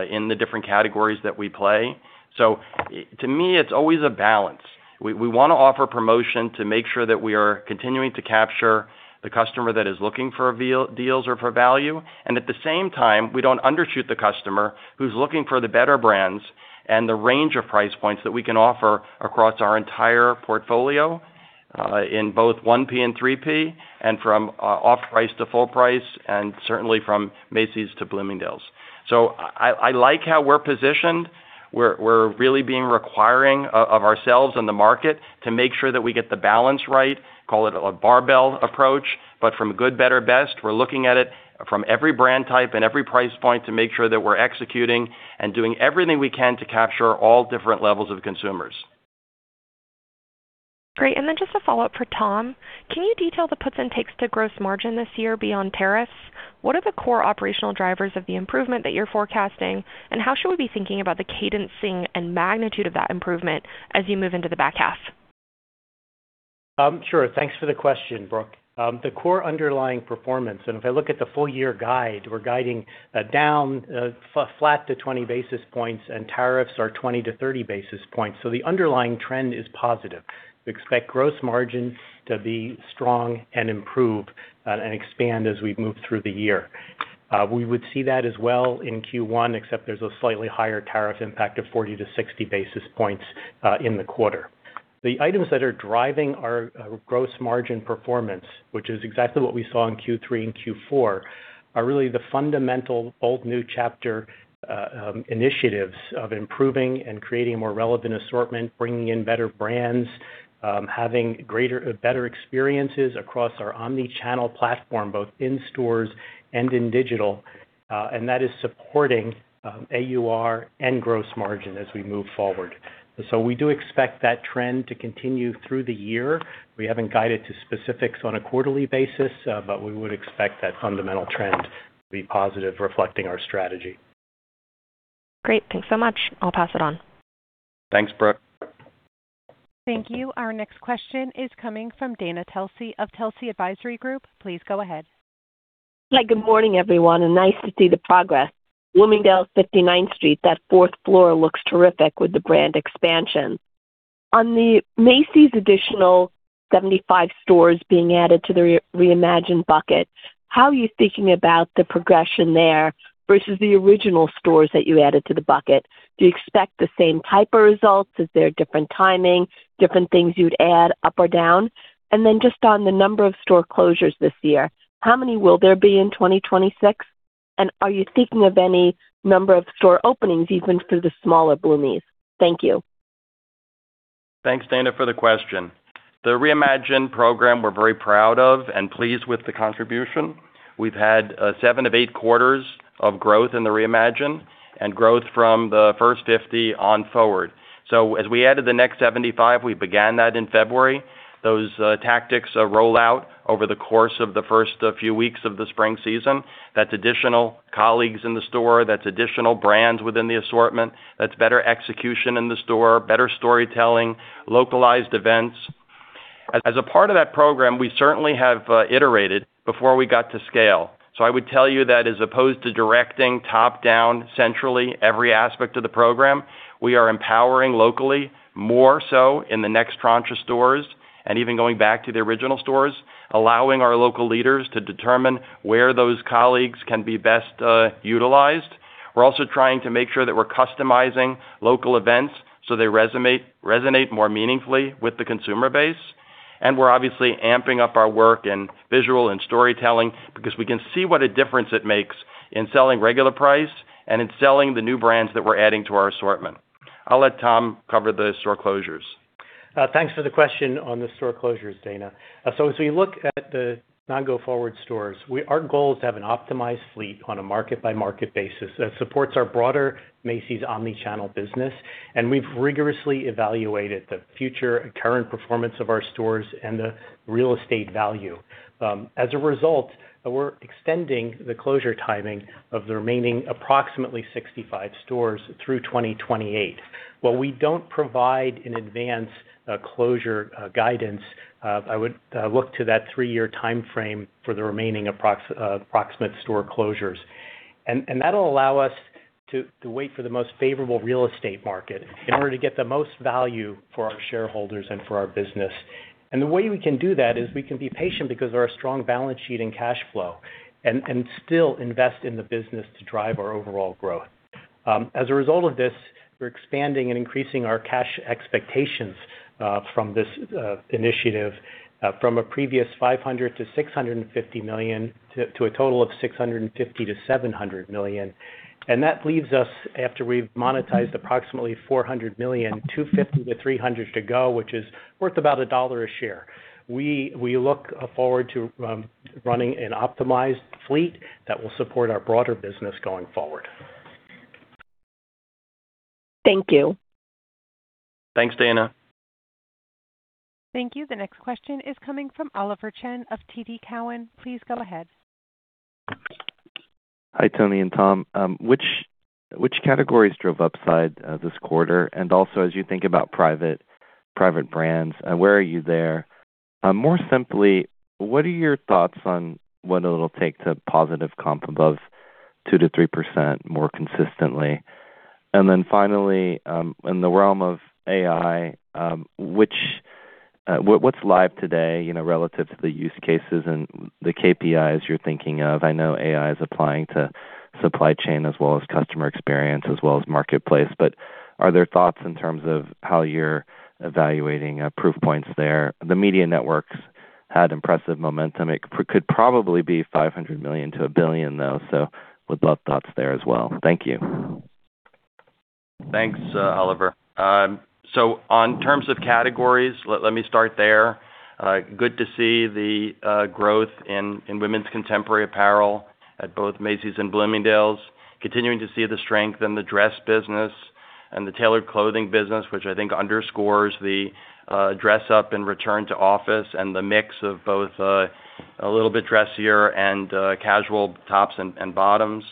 in the different categories that we play. So to me, it's always a balance. We wanna offer promotion to make sure that we are continuing to capture the customer that is looking for deals or for value. At the same time, we don't undershoot the customer who's looking for the better brands and the range of price points that we can offer across our entire portfolio in both 1P and 3P and from off price to full price and certainly from Macy's to Bloomingdale's. I like how we're positioned. We're really being requiring of ourselves in the market to make sure that we get the balance right, call it a barbell approach, but from good, better, best, we're looking at it from every brand type and every price point to make sure that we're executing and doing everything we can to capture all different levels of consumers. Great. Just a follow-up for Tom. Can you detail the puts and takes to gross margin this year beyond tariffs? What are the core operational drivers of the improvement that you're forecasting, and how should we be thinking about the cadencing and magnitude of that improvement as you move into the back half? Sure. Thanks for the question, Brooke. The core underlying performance, and if I look at the full-year guide, we're guiding down flat to 20 basis points and tariffs are 20 basis points-30 basis points. The underlying trend is positive. We expect gross margin to be strong and improve and expand as we move through the year. We would see that as well in Q1, except there's a slightly higher tariff impact of 40 basis points-60 basis points in the quarter. The items that are driving our gross margin performance, which is exactly what we saw in Q3 and Q4, are really the fundamental "A Bold New Chapter" initiatives of improving and creating a more relevant assortment, bringing in better brands, having better experiences across our omni-channel platform, both in stores and in digital, and that is supporting AUR and gross margin as we move forward. We do expect that trend to continue through the year. We haven't guided to specifics on a quarterly basis, but we would expect that fundamental trend to be positive, reflecting our strategy. Great. Thanks so much. I'll pass it on. Thanks, Brooke. Thank you. Our next question is coming from Dana Telsey of Telsey Advisory Group. Please go ahead. Hi, good morning, everyone, and nice to see the progress. Bloomingdale's 59th Street, that fourth floor looks terrific with the brand expansion. On the Macy's additional 75 stores being added to the Reimagine bucket, how are you thinking about the progression there versus the original stores that you added to the bucket? Do you expect the same type of results? Is there different timing, different things you'd add up or down? And then just on the number of store closures this year, how many will there be in 2026? And are you thinking of any number of store openings even for the smaller Bloomie's? Thank you. Thanks, Dana, for the question. The Reimagine program, we're very proud of and pleased with the contribution. We've had seven of eight quarters of growth in the Reimagine and growth from the first 50 on forward. As we added the next 75, we began that in February. Those tactics roll out over the course of the first few weeks of the spring season. That's additional colleagues in the store. That's additional brands within the assortment. That's better execution in the store, better storytelling, localized events. As a part of that program, we certainly have iterated before we got to scale. I would tell you that as opposed to directing top-down centrally every aspect of the program, we are empowering locally more so in the next tranche of stores and even going back to the original stores, allowing our local leaders to determine where those colleagues can be best utilized. We're also trying to make sure that we're customizing local events so they resonate more meaningfully with the consumer base. We're obviously amping up our work in visual and storytelling because we can see what a difference it makes in selling regular price and in selling the new brands that we're adding to our assortment. I'll let Tom cover the store closures. Thanks for the question on the store closures, Dana. As we look at the non-go-forward stores, our goal is to have an optimized fleet on a market-by-market basis that supports our broader Macy's omni-channel business. We've rigorously evaluated the future and current performance of our stores and the real estate value. As a result, we're extending the closure timing of the remaining approximately 65 stores through 2028. While we don't provide an advance closure guidance, I would look to that three-year timeframe for the remaining approximate store closures. That'll allow us to wait for the most favorable real estate market in order to get the most value for our shareholders and for our business. The way we can do that is we can be patient because of our strong balance sheet and cash flow and still invest in the business to drive our overall growth. As a result of this, we're expanding and increasing our cash expectations from this initiative from a previous $500 million-$650 million to a total of $650 million-$700 million. That leaves us, after we've monetized approximately $400 million, $250 million-$300 million to go, which is worth about $1 a share. We look forward to running an optimized fleet that will support our broader business going forward. Thank you. Thanks, Dana. Thank you. The next question is coming from Oliver Chen of TD Cowen. Please go ahead. Hi, Tony and Tom. Which categories drove upside this quarter? Also as you think about private brands, where are you there? More simply, what are your thoughts on what it'll take to positive comp above 2%-3% more consistently? Finally, in the realm of AI, what's live today, you know, relative to the use cases and the KPIs you're thinking of? I know AI is applying to supply chain as well as customer experience as well as marketplace, but are there thoughts in terms of how you're evaluating proof points there? Macy's Media Network had impressive momentum. It could probably be $500 million-$1 billion, though, so would love thoughts there as well. Thank you. Thanks, Oliver. In terms of categories, let me start there. Good to see the growth in women's contemporary apparel at both Macy's and Bloomingdale's. Continuing to see the strength in the dress business and the tailored clothing business, which I think underscores the dress up and return to office and the mix of both, a little bit dressier and casual tops and bottoms.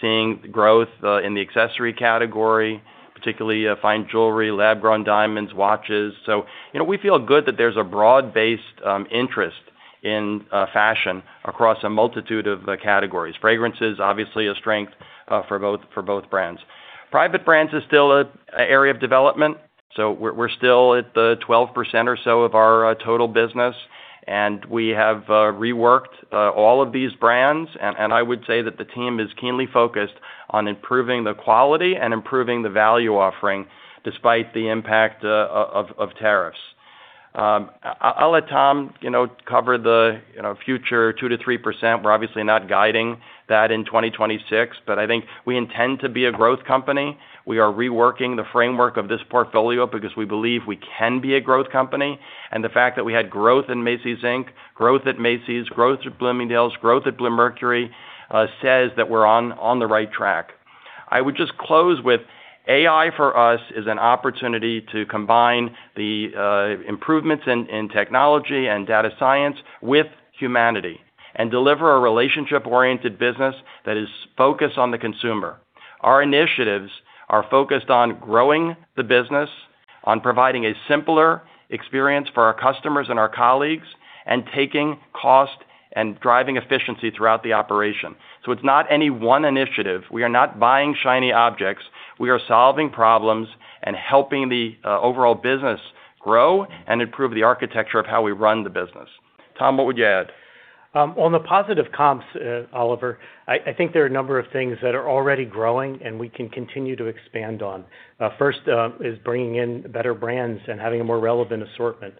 Seeing growth in the accessory category, particularly fine jewelry, lab-grown diamonds, watches. You know, we feel good that there's a broad-based interest in fashion across a multitude of categories. Fragrance is obviously a strength for both brands. Private brands is still a area of development, so we're still at the 12% or so of our total business, and we have reworked all of these brands. I would say that the team is keenly focused on improving the quality and improving the value offering despite the impact of tariffs. I'll let Tom you know cover the you know future 2%-3%. We're obviously not guiding that in 2026, but I think we intend to be a growth company. We are reworking the framework of this portfolio because we believe we can be a growth company. The fact that we had growth in Macy's, Inc., growth at Macy's, growth at Bloomingdale's, growth at Bluemercury says that we're on the right track. I would just close with AI for us is an opportunity to combine the improvements in technology and data science with humanity and deliver a relationship-oriented business that is focused on the consumer. Our initiatives are focused on growing the business, on providing a simpler experience for our customers and our colleagues, and taking cost and driving efficiency throughout the operation. It's not any one initiative. We are not buying shiny objects. We are solving problems and helping the overall business grow and improve the architecture of how we run the business. Tom, what would you add? On the positive comps, Oliver, I think there are a number of things that are already growing and we can continue to expand on. First, is bringing in better brands and having a more relevant assortment.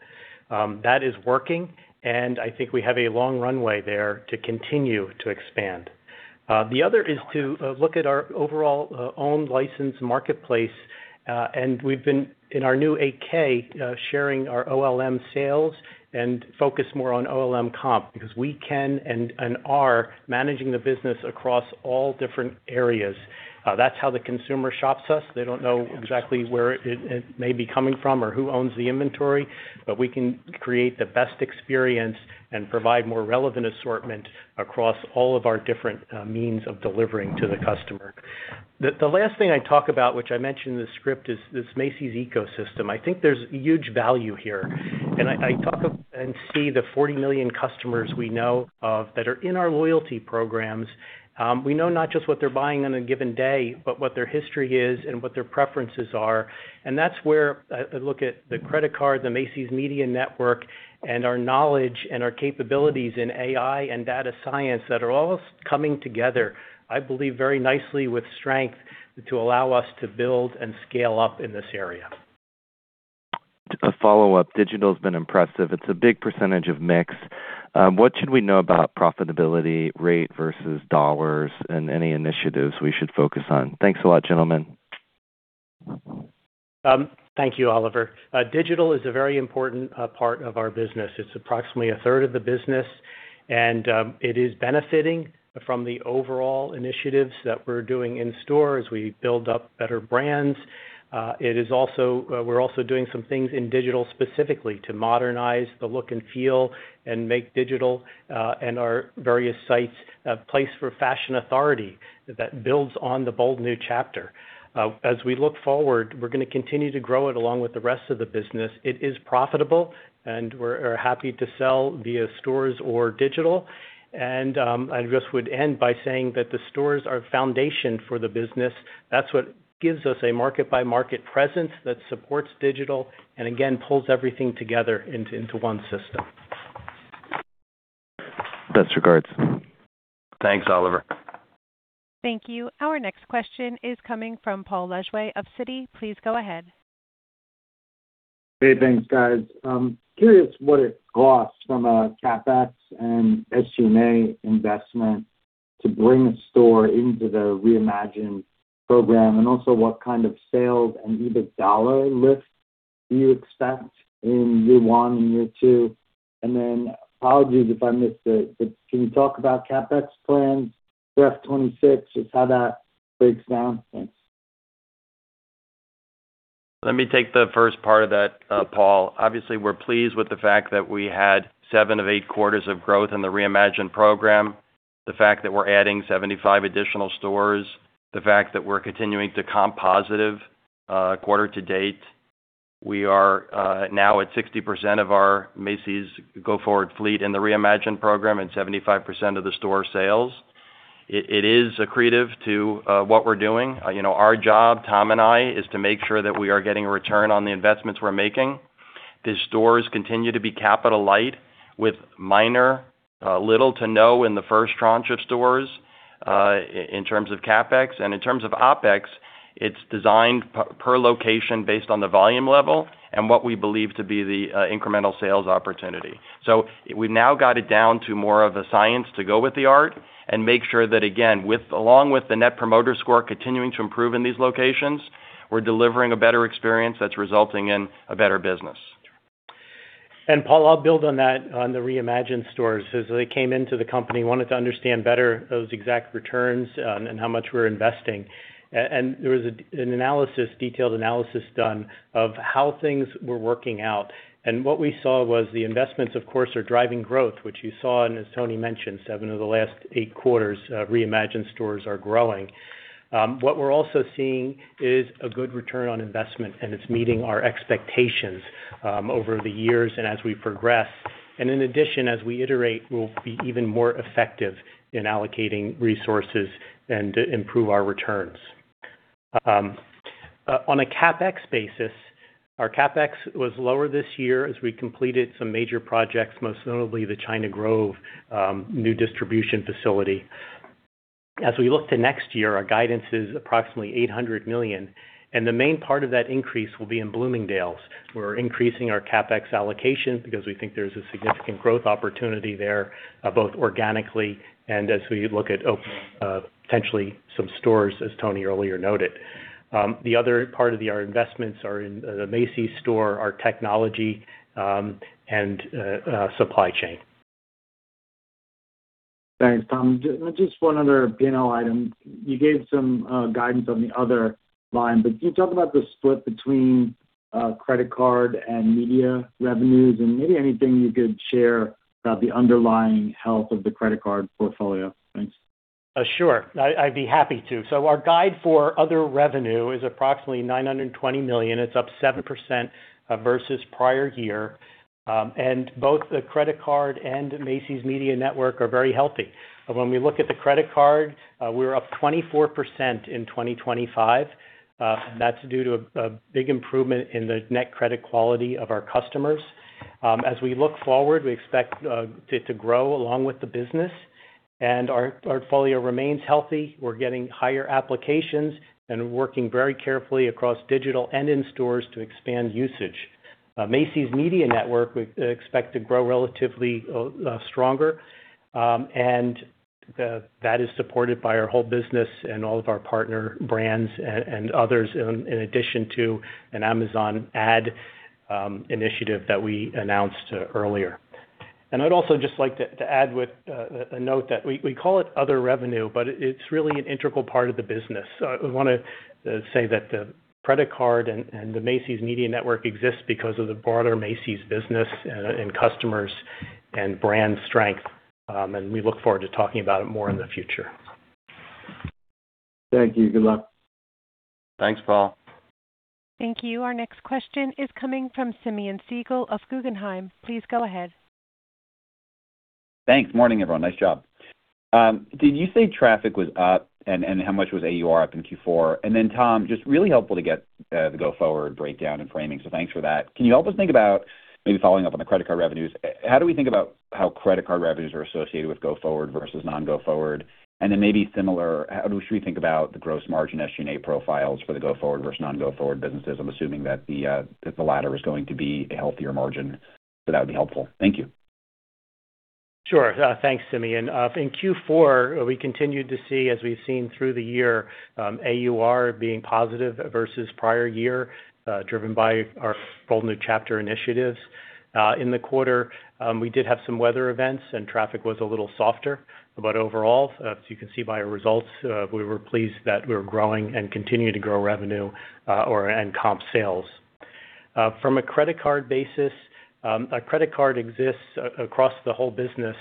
That is working, and I think we have a long runway there to continue to expand. The other is to look at our overall owned licensed marketplace, and we've been, in our new 8-K, sharing our O+L+M sales and focus more on O+L+M comp because we can and are managing the business across all different areas. That's how the consumer shops us. They don't know exactly where it may be coming from or who owns the inventory, but we can create the best experience and provide more relevant assortment across all of our different means of delivering to the customer. The last thing I talk about, which I mentioned in the script, is this Macy's ecosystem. I think there's huge value here, and I talk and see the 40 million customers we know of that are in our loyalty programs. We know not just what they're buying on a given day, but what their history is and what their preferences are. That's where I look at the credit card, the Macy's Media Network, and our knowledge and our capabilities in AI and data science that are all coming together, I believe, very nicely with strength to allow us to build and scale up in this area. A follow-up. Digital has been impressive. It's a big percentage of mix. What should we know about profitability rate versus dollars and any initiatives we should focus on? Thanks a lot, gentlemen. Thank you, Oliver. Digital is a very important part of our business. It's approximately 1/3 of the business, and it is benefiting from the overall initiatives that we're doing in store as we build up better brands. We're also doing some things in digital specifically to modernize the look and feel and make digital and our various sites a place for fashion authority that builds on "A Bold New Chapter." As we look forward, we're going to continue to grow it along with the rest of the business. It is profitable, and we're happy to sell via stores or digital. I just would end by saying that the stores are a foundation for the business. That's what gives us a market-by-market presence that supports digital and again pulls everything together into one system. Best regards. Thanks, Oliver. Thank you. Our next question is coming from Paul Lejuez of Citi. Please go ahead. Hey, thanks, guys. I'm curious what it costs from a CapEx and SG&A investment to bring a store into the Reimagine program, and also what kind of sales and EBIT dollar lift do you expect in year-one and year-two? Apologies if I missed it, but can you talk about CapEx plans for FY 2026? Just how that breaks down? Thanks. Let me take the first part of that, Paul. Obviously, we're pleased with the fact that we had 7 of 8 quarters of growth in the Reimagine program. The fact that we're adding 75 additional stores, the fact that we're continuing to comp positive, quarter-to-date. We are now at 60% of our Macy's go-forward fleet in the Reimagine program and 75% of the store sales. It is accretive to what we're doing. You know, our job, Tom and I, is to make sure that we are getting a return on the investments we're making. These stores continue to be capital light with minor little to no in the first tranche of stores, in terms of CapEx. In terms of OpEx, it's designed per location based on the volume level and what we believe to be the incremental sales opportunity. We've now got it down to more of a science to go with the art and make sure that, again, along with the Net Promoter Score continuing to improve in these locations, we're delivering a better experience that's resulting in a better business. Paul, I'll build on that on the Reimagine stores. As I came into the company, wanted to understand better those exact returns, and how much we're investing. There was an analysis, detailed analysis done of how things were working out. What we saw was the investments, of course, are driving growth, which you saw, and as Tony mentioned, 7 of the last 8 quarters of Reimagine stores are growing. What we're also seeing is a good return on investment, and it's meeting our expectations, over the years and as we progress. In addition, as we iterate, we'll be even more effective in allocating resources and to improve our returns. On a CapEx basis, our CapEx was lower this year as we completed some major projects, most notably the China Grove, new distribution facility. As we look to next year, our guidance is approximately $800 million, and the main part of that increase will be in Bloomingdale's. We're increasing our CapEx allocation because we think there's a significant growth opportunity there, both organically and as we look at opening, potentially some stores, as Tony earlier noted. The other part of our investments are in the Macy's store, our technology, and supply chain. Thanks, Tom. Just one other P&L item. You gave some guidance on the other line, but can you talk about the split between credit card and media revenues and maybe anything you could share about the underlying health of the credit card portfolio? Thanks. I'd be happy to. Our guide for other revenue is approximately $920 million. It's up 7% versus prior year. Both the credit card and Macy's Media Network are very healthy. When we look at the credit card, we're up 24% in 2025. That's due to a big improvement in the net credit quality of our customers. As we look forward, we expect it to grow along with the business, and our portfolio remains healthy. We're getting higher applications and working very carefully across digital and in stores to expand usage. Macy's Media Network, we expect to grow relatively stronger, and that is supported by our whole business and all of our partner brands and others, in addition to an Amazon ad initiative that we announced earlier. I'd also just like to add with a note that we call it other revenue, but it's really an integral part of the business. I want to say that the credit card and the Macy's Media Network exists because of the broader Macy's business and customers and brand strength. We look forward to talking about it more in the future. Thank you. Good luck. Thanks, Paul. Thank you. Our next question is coming from Simeon Siegel of Guggenheim. Please go ahead. Thanks. Morning, everyone. Nice job. Did you say traffic was up and how much was AUR up in Q4? Then Tom, just really helpful to get the go forward breakdown and framing. Thanks for that. Can you help us think about maybe following up on the credit card revenues? How do we think about how credit card revenues are associated with go forward versus non-go forward? Then maybe similar, should we think about the gross margin SG&A profiles for the go forward versus non-go forward businesses? I'm assuming that the latter is going to be a healthier margin, so that would be helpful. Thank you. Sure. Thanks, Simeon. In Q4, we continued to see, as we've seen through the year, AUR being positive versus prior year, driven by our "A Bold New Chapter" initiatives. In the quarter, we did have some weather events and traffic was a little softer. Overall, as you can see by our results, we were pleased that we were growing and continue to grow revenue and comp sales. From a credit card basis, a credit card exists across the whole business,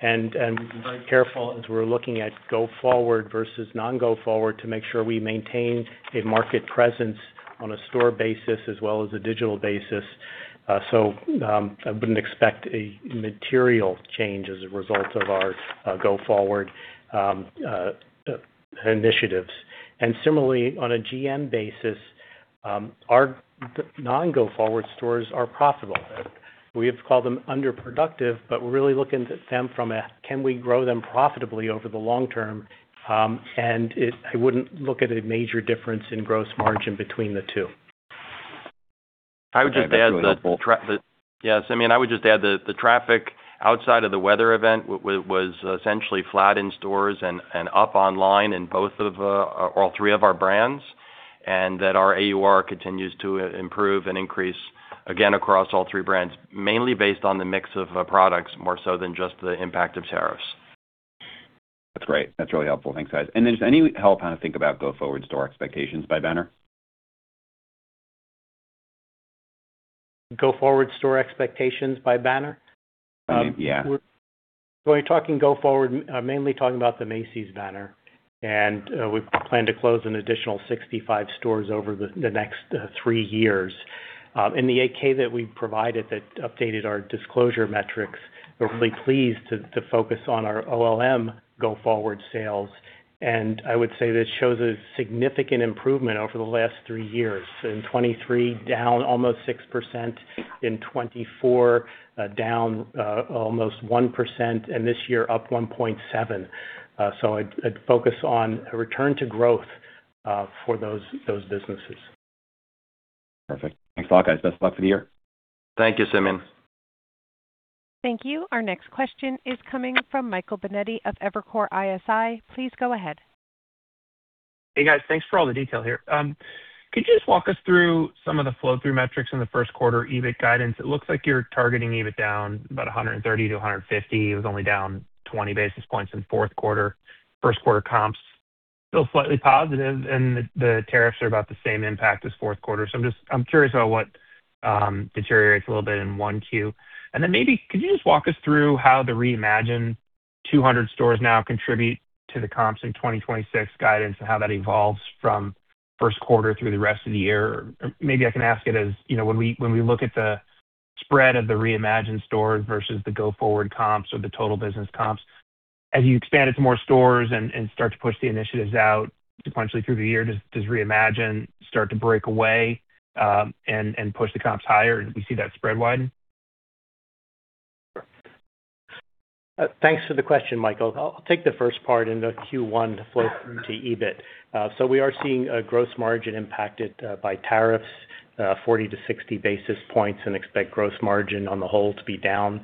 and we're very careful as we're looking at go forward versus non-go forward to make sure we maintain a market presence on a store basis as well as a digital basis. So, I wouldn't expect a material change as a result of our go forward initiatives. Similarly, on a GM basis, our non-go forward stores are profitable. We have called them underproductive, but we're really looking at them from a can we grow them profitably over the long term. I wouldn't look at a major difference in gross margin between the two. That's really helpful. Yes, I mean, I would just add the traffic outside of the weather event was essentially flat in stores and up online in both of all three of our brands, and that our AUR continues to improve and increase, again, across all three brands, mainly based on the mix of products more so than just the impact of tariffs. That's great. That's really helpful. Thanks, guys. Is there any help how to think about go forward store expectations by banner? Going forward, store expectations by banner? Yeah. When you're talking go forward, I'm mainly talking about the Macy's banner. We plan to close an additional 65 stores over the next 3 years. In the 8-K that we provided that updated our disclosure metrics, we're really pleased to focus on our O+L+M go forward sales. I would say this shows a significant improvement over the last three years. In 2023, down almost 6%. In 2024, down almost 1%. This year, up 1.7%. I'd focus on a return to growth for those businesses. Perfect. Thanks a lot, guys. Best of luck for the year. Thank you, Simeon. Thank you. Our next question is coming from Michael Binetti of Evercore ISI. Please go ahead. Hey, guys. Thanks for all the detail here. Could you just walk us through some of the flow-through metrics in the first quarter EBIT guidance? It looks like you're targeting EBIT down about $130-$150. It was only down 20 basis points in fourth quarter. First quarter comps still slightly positive, and the tariffs are about the same impact as fourth quarter. I'm curious about what deteriorates a little bit in 1Q. Maybe could you just walk us through how the Reimagine 200 stores now contribute to the comps in 2026 guidance and how that evolves from first quarter through the rest of the year? Maybe I can ask it as, you know, when we look at the spread of the Reimagine stores versus the go-forward comps or the total business comps, as you expand it to more stores and start to push the initiatives out sequentially through the year, does Reimagine start to break away, and push the comps higher? Do we see that spread widen? Thanks for the question, Michael. I'll take the first part in the Q1 flow through to EBIT. We are seeing a gross margin impacted by tariffs, 40 basis points-60 basis points and expect gross margin on the whole to be down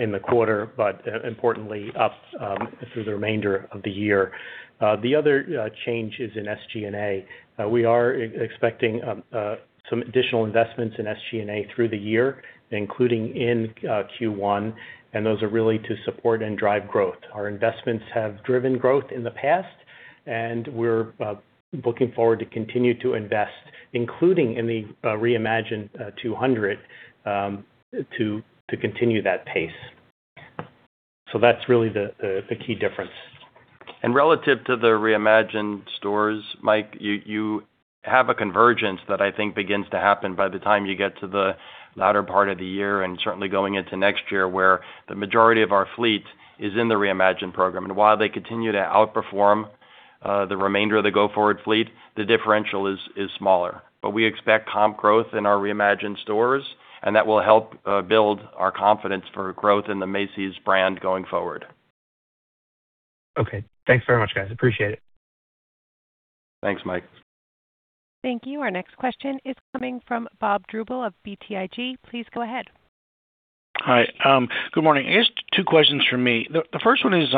in the quarter, but importantly up through the remainder of the year. The other change is in SG&A. We are expecting some additional investments in SG&A through the year, including in Q1, and those are really to support and drive growth. Our investments have driven growth in the past, and we're looking forward to continue to invest, including in the Reimagine 200 to continue that pace. That's really the key difference. Relative to the Reimagine stores, Mike, you have a convergence that I think begins to happen by the time you get to the latter part of the year and certainly going into next year, where the majority of our fleet is in the Reimagine program. While they continue to outperform the remainder of the go forward fleet, the differential is smaller. We expect comp growth in our Reimagine stores, and that will help build our confidence for growth in the Macy's brand going forward. Okay. Thanks very much, guys. Appreciate it. Thanks, Mike. Thank you. Our next question is coming from Bob Drbul of BTIG. Please go ahead. Hi. Good morning. I guess two questions from me. The first one is,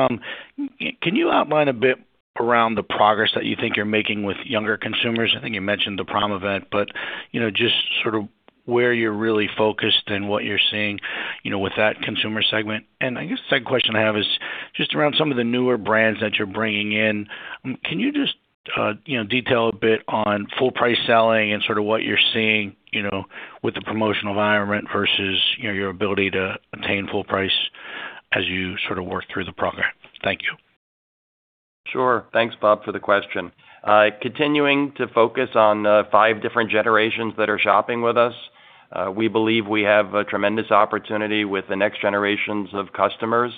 can you outline a bit around the progress that you think you're making with younger consumers? I think you mentioned the prom event, but you know, just sort of where you're really focused and what you're seeing you know, with that consumer segment. I guess the second question I have is just around some of the newer brands that you're bringing in. Can you just you know, detail a bit on full price selling and sort of what you're seeing you know, with the promotional environment versus you know, your ability to obtain full price as you sort of work through the program. Thank you. Sure. Thanks, Bob, for the question. Continuing to focus on the five different generations that are shopping with us, we believe we have a tremendous opportunity with the next generations of customers.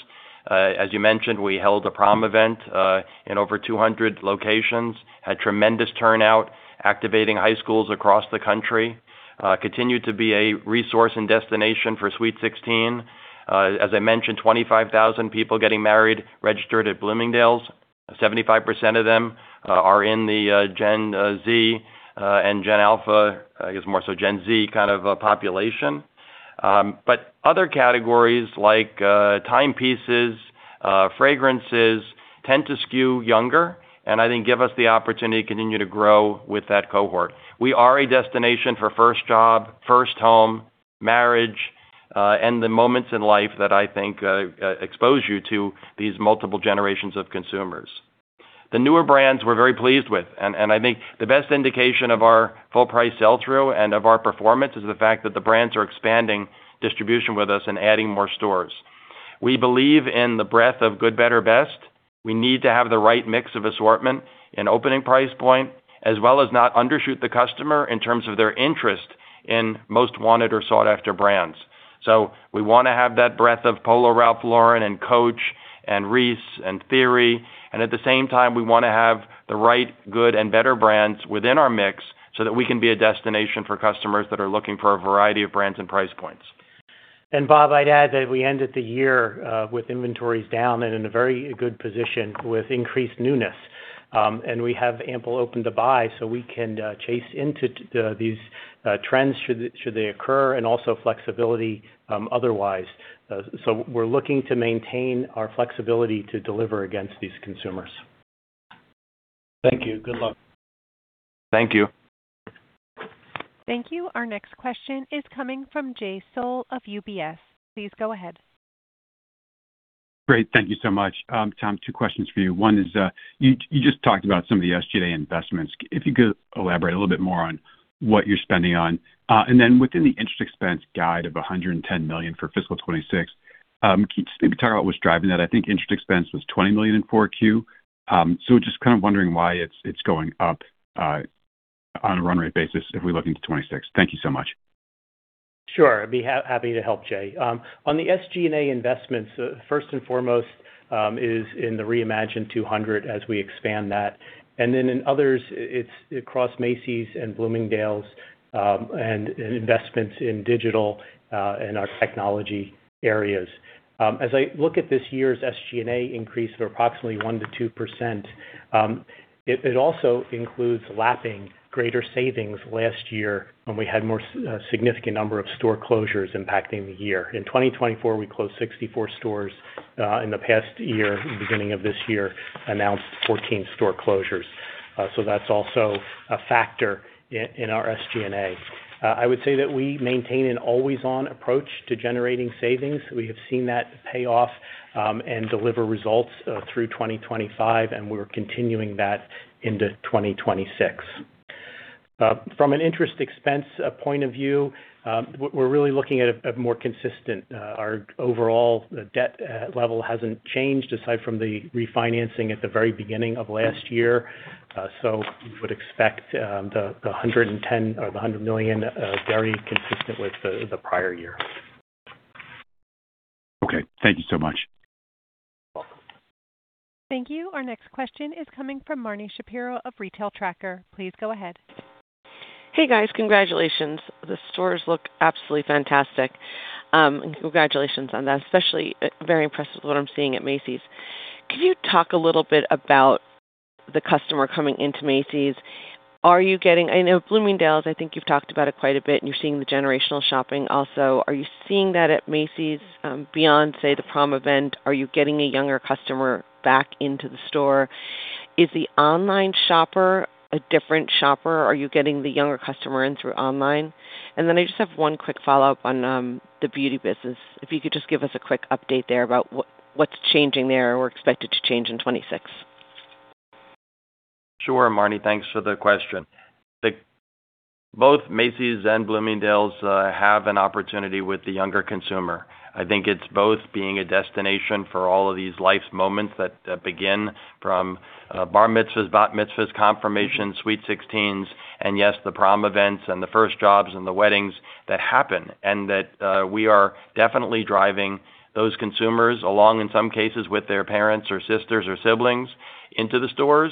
As you mentioned, we held a prom event in over 200 locations, had tremendous turnout activating high schools across the country, continued to be a resource and destination for Sweet 16. As I mentioned, 25,000 people getting married registered at Bloomingdale's. 75% of them are in the Gen Z and Gen Alpha, I guess more so Gen Z kind of a population. Other categories like timepieces, fragrances, tend to skew younger and I think give us the opportunity to continue to grow with that cohort. We are a destination for first job, first home, marriage, and the moments in life that I think expose you to these multiple generations of consumers. The newer brands we're very pleased with, and I think the best indication of our full price sell-through and of our performance is the fact that the brands are expanding distribution with us and adding more stores. We believe in the breadth of good, better, best. We need to have the right mix of assortment and opening price point, as well as not undershoot the customer in terms of their interest in most wanted or sought-after brands. We wanna have that breadth of Polo Ralph Lauren and Coach and Reiss and Theory, and at the same time, we wanna have the right, good, and better brands within our mix so that we can be a destination for customers that are looking for a variety of brands and price points. Bob, I'd add that we ended the year with inventories down and in a very good position with increased newness. We have ample open to buy so we can chase into these trends should they occur and also flexibility otherwise. We're looking to maintain our flexibility to deliver against these consumers. Thank you. Good luck. Thank you. Thank you. Our next question is coming from Jay Sole of UBS. Please go ahead. Great. Thank you so much. Tom, two questions for you. One is, you just talked about some of the SG&A investments. If you could elaborate a little bit more on what you're spending on. And then within the interest expense guide of $110 million for fiscal 2026, can you maybe talk about what's driving that? I think interest expense was $20 million in 4Q. So just kind of wondering why it's going up on a run rate basis if we look into 2026? Thank you so much. Sure. I'd be happy to help, Jay. On the SG&A investments, first and foremost, is in the Reimagine 200 as we expand that. In others, it's across Macy's and Bloomingdale's, and investments in digital, and our technology areas. As I look at this year's SG&A increase of approximately 1%-2%, it also includes lapping greater savings last year when we had more significant number of store closures impacting the year. In 2024, we closed 64 stores. In the past year, beginning of this year, announced 14 store closures. That's also a factor in our SG&A. I would say that we maintain an always-on approach to generating savings. We have seen that pay off, and deliver results, through 2025, and we're continuing that into 2026. From an interest expense point of view, we're really looking at a more consistent. Our overall debt level hasn't changed aside from the refinancing at the very beginning of last year. You would expect the $110 million or the $100 million very consistent with the prior year. Okay. Thank you so much. Welcome. Thank you. Our next question is coming from Marni Shapiro of Retail Tracker. Please go ahead. Hey, guys. Congratulations. The stores look absolutely fantastic. Congratulations on that. Especially, very impressed with what I'm seeing at Macy's. Could you talk a little bit about the customer coming into Macy's? Are you getting I know Bloomingdale's, I think you've talked about it quite a bit, and you're seeing the generational shopping also. Are you seeing that at Macy's, beyond, say, the prom event? Are you getting a younger customer back into the store? Is the online shopper a different shopper? Are you getting the younger customer in through online? And then I just have one quick follow-up on the beauty business. If you could just give us a quick update there about what's changing there or expected to change in 2026. Sure, Marni. Thanks for the question. Both Macy's and Bloomingdale's have an opportunity with the younger consumer. I think it's both being a destination for all of these life's moments that begin from bar mitzvahs, bat mitzvahs, confirmations, Sweet 16, and yes, the prom events and the first jobs and the weddings that happen. That we are definitely driving those consumers along, in some cases with their parents or sisters or siblings, into the stores.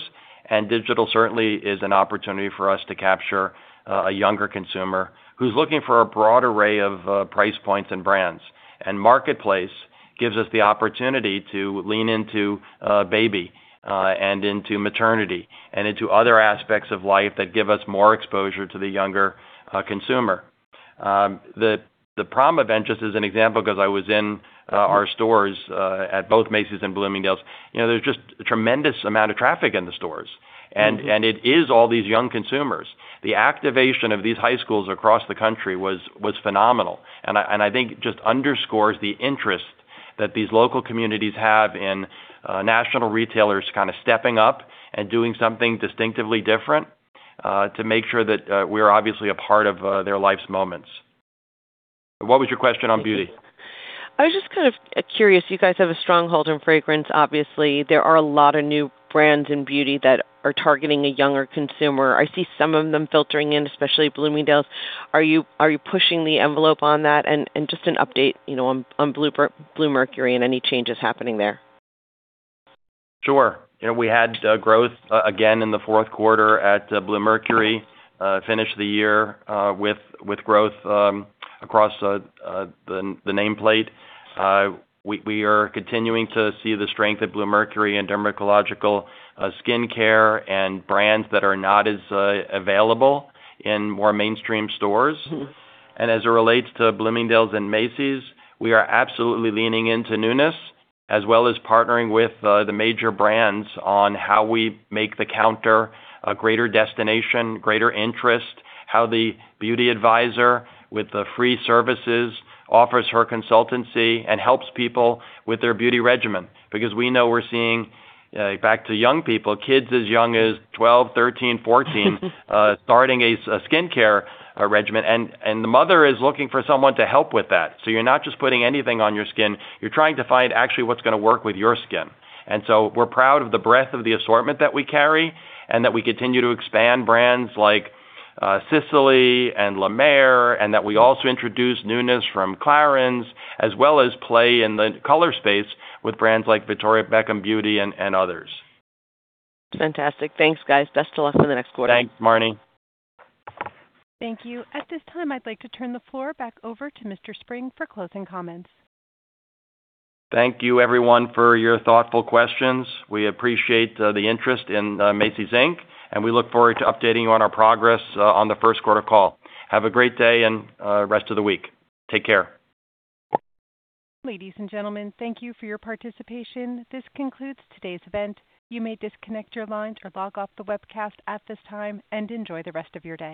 Digital certainly is an opportunity for us to capture a younger consumer who's looking for a broad array of price points and brands. Marketplace gives us the opportunity to lean into baby and into maternity and into other aspects of life that give us more exposure to the younger consumer. The prom event, just as an example, 'cause I was in our stores at both Macy's and Bloomingdale's. You know, there's just a tremendous amount of traffic in the stores, and it is all these young consumers. The activation of these high schools across the country was phenomenal, and I think just underscores the interest that these local communities have in national retailers kind of stepping up and doing something distinctively different, to make sure that we're obviously a part of their life's moments. What was your question on beauty? I was just kind of curious. You guys have a stronghold in fragrance, obviously. There are a lot of new brands in beauty that are targeting a younger consumer. I see some of them filtering in, especially Bloomingdale's. Are you pushing the envelope on that? Just an update, you know, on Bluemercury and any changes happening there? Sure. You know, we had growth again in the fourth quarter at Bluemercury. Finished the year with growth across the nameplate. We are continuing to see the strength at Bluemercury in dermatological skincare and brands that are not as available in more mainstream stores. Mm-hmm. As it relates to Bloomingdale's and Macy's, we are absolutely leaning into newness, as well as partnering with the major brands on how we make the counter a greater destination, greater interest. How the beauty advisor with the free services offers her consultancy and helps people with their beauty regimen. Because we know we're seeing back to young people, kids as young as 12, 13, 14 starting a skincare regimen. And the mother is looking for someone to help with that. You're not just putting anything on your skin, you're trying to find actually what's gonna work with your skin. We're proud of the breadth of the assortment that we carry and that we continue to expand brands like Sisley-Paris and La Mer, and that we also introduce Newness from Clarins, as well as play in the color space with brands like Victoria Beckham Beauty and others. Fantastic. Thanks, guys. Best of luck on the next quarter. Thanks, Marni. Thank you. At this time, I'd like to turn the floor back over to Mr. Spring for closing comments. Thank you everyone for your thoughtful questions. We appreciate the interest in Macy's, Inc., and we look forward to updating you on our progress on the first quarter call. Have a great day and rest of the week. Take care. Ladies and gentlemen, thank you for your participation. This concludes today's event. You may disconnect your line or log off the webcast at this time, and enjoy the rest of your day.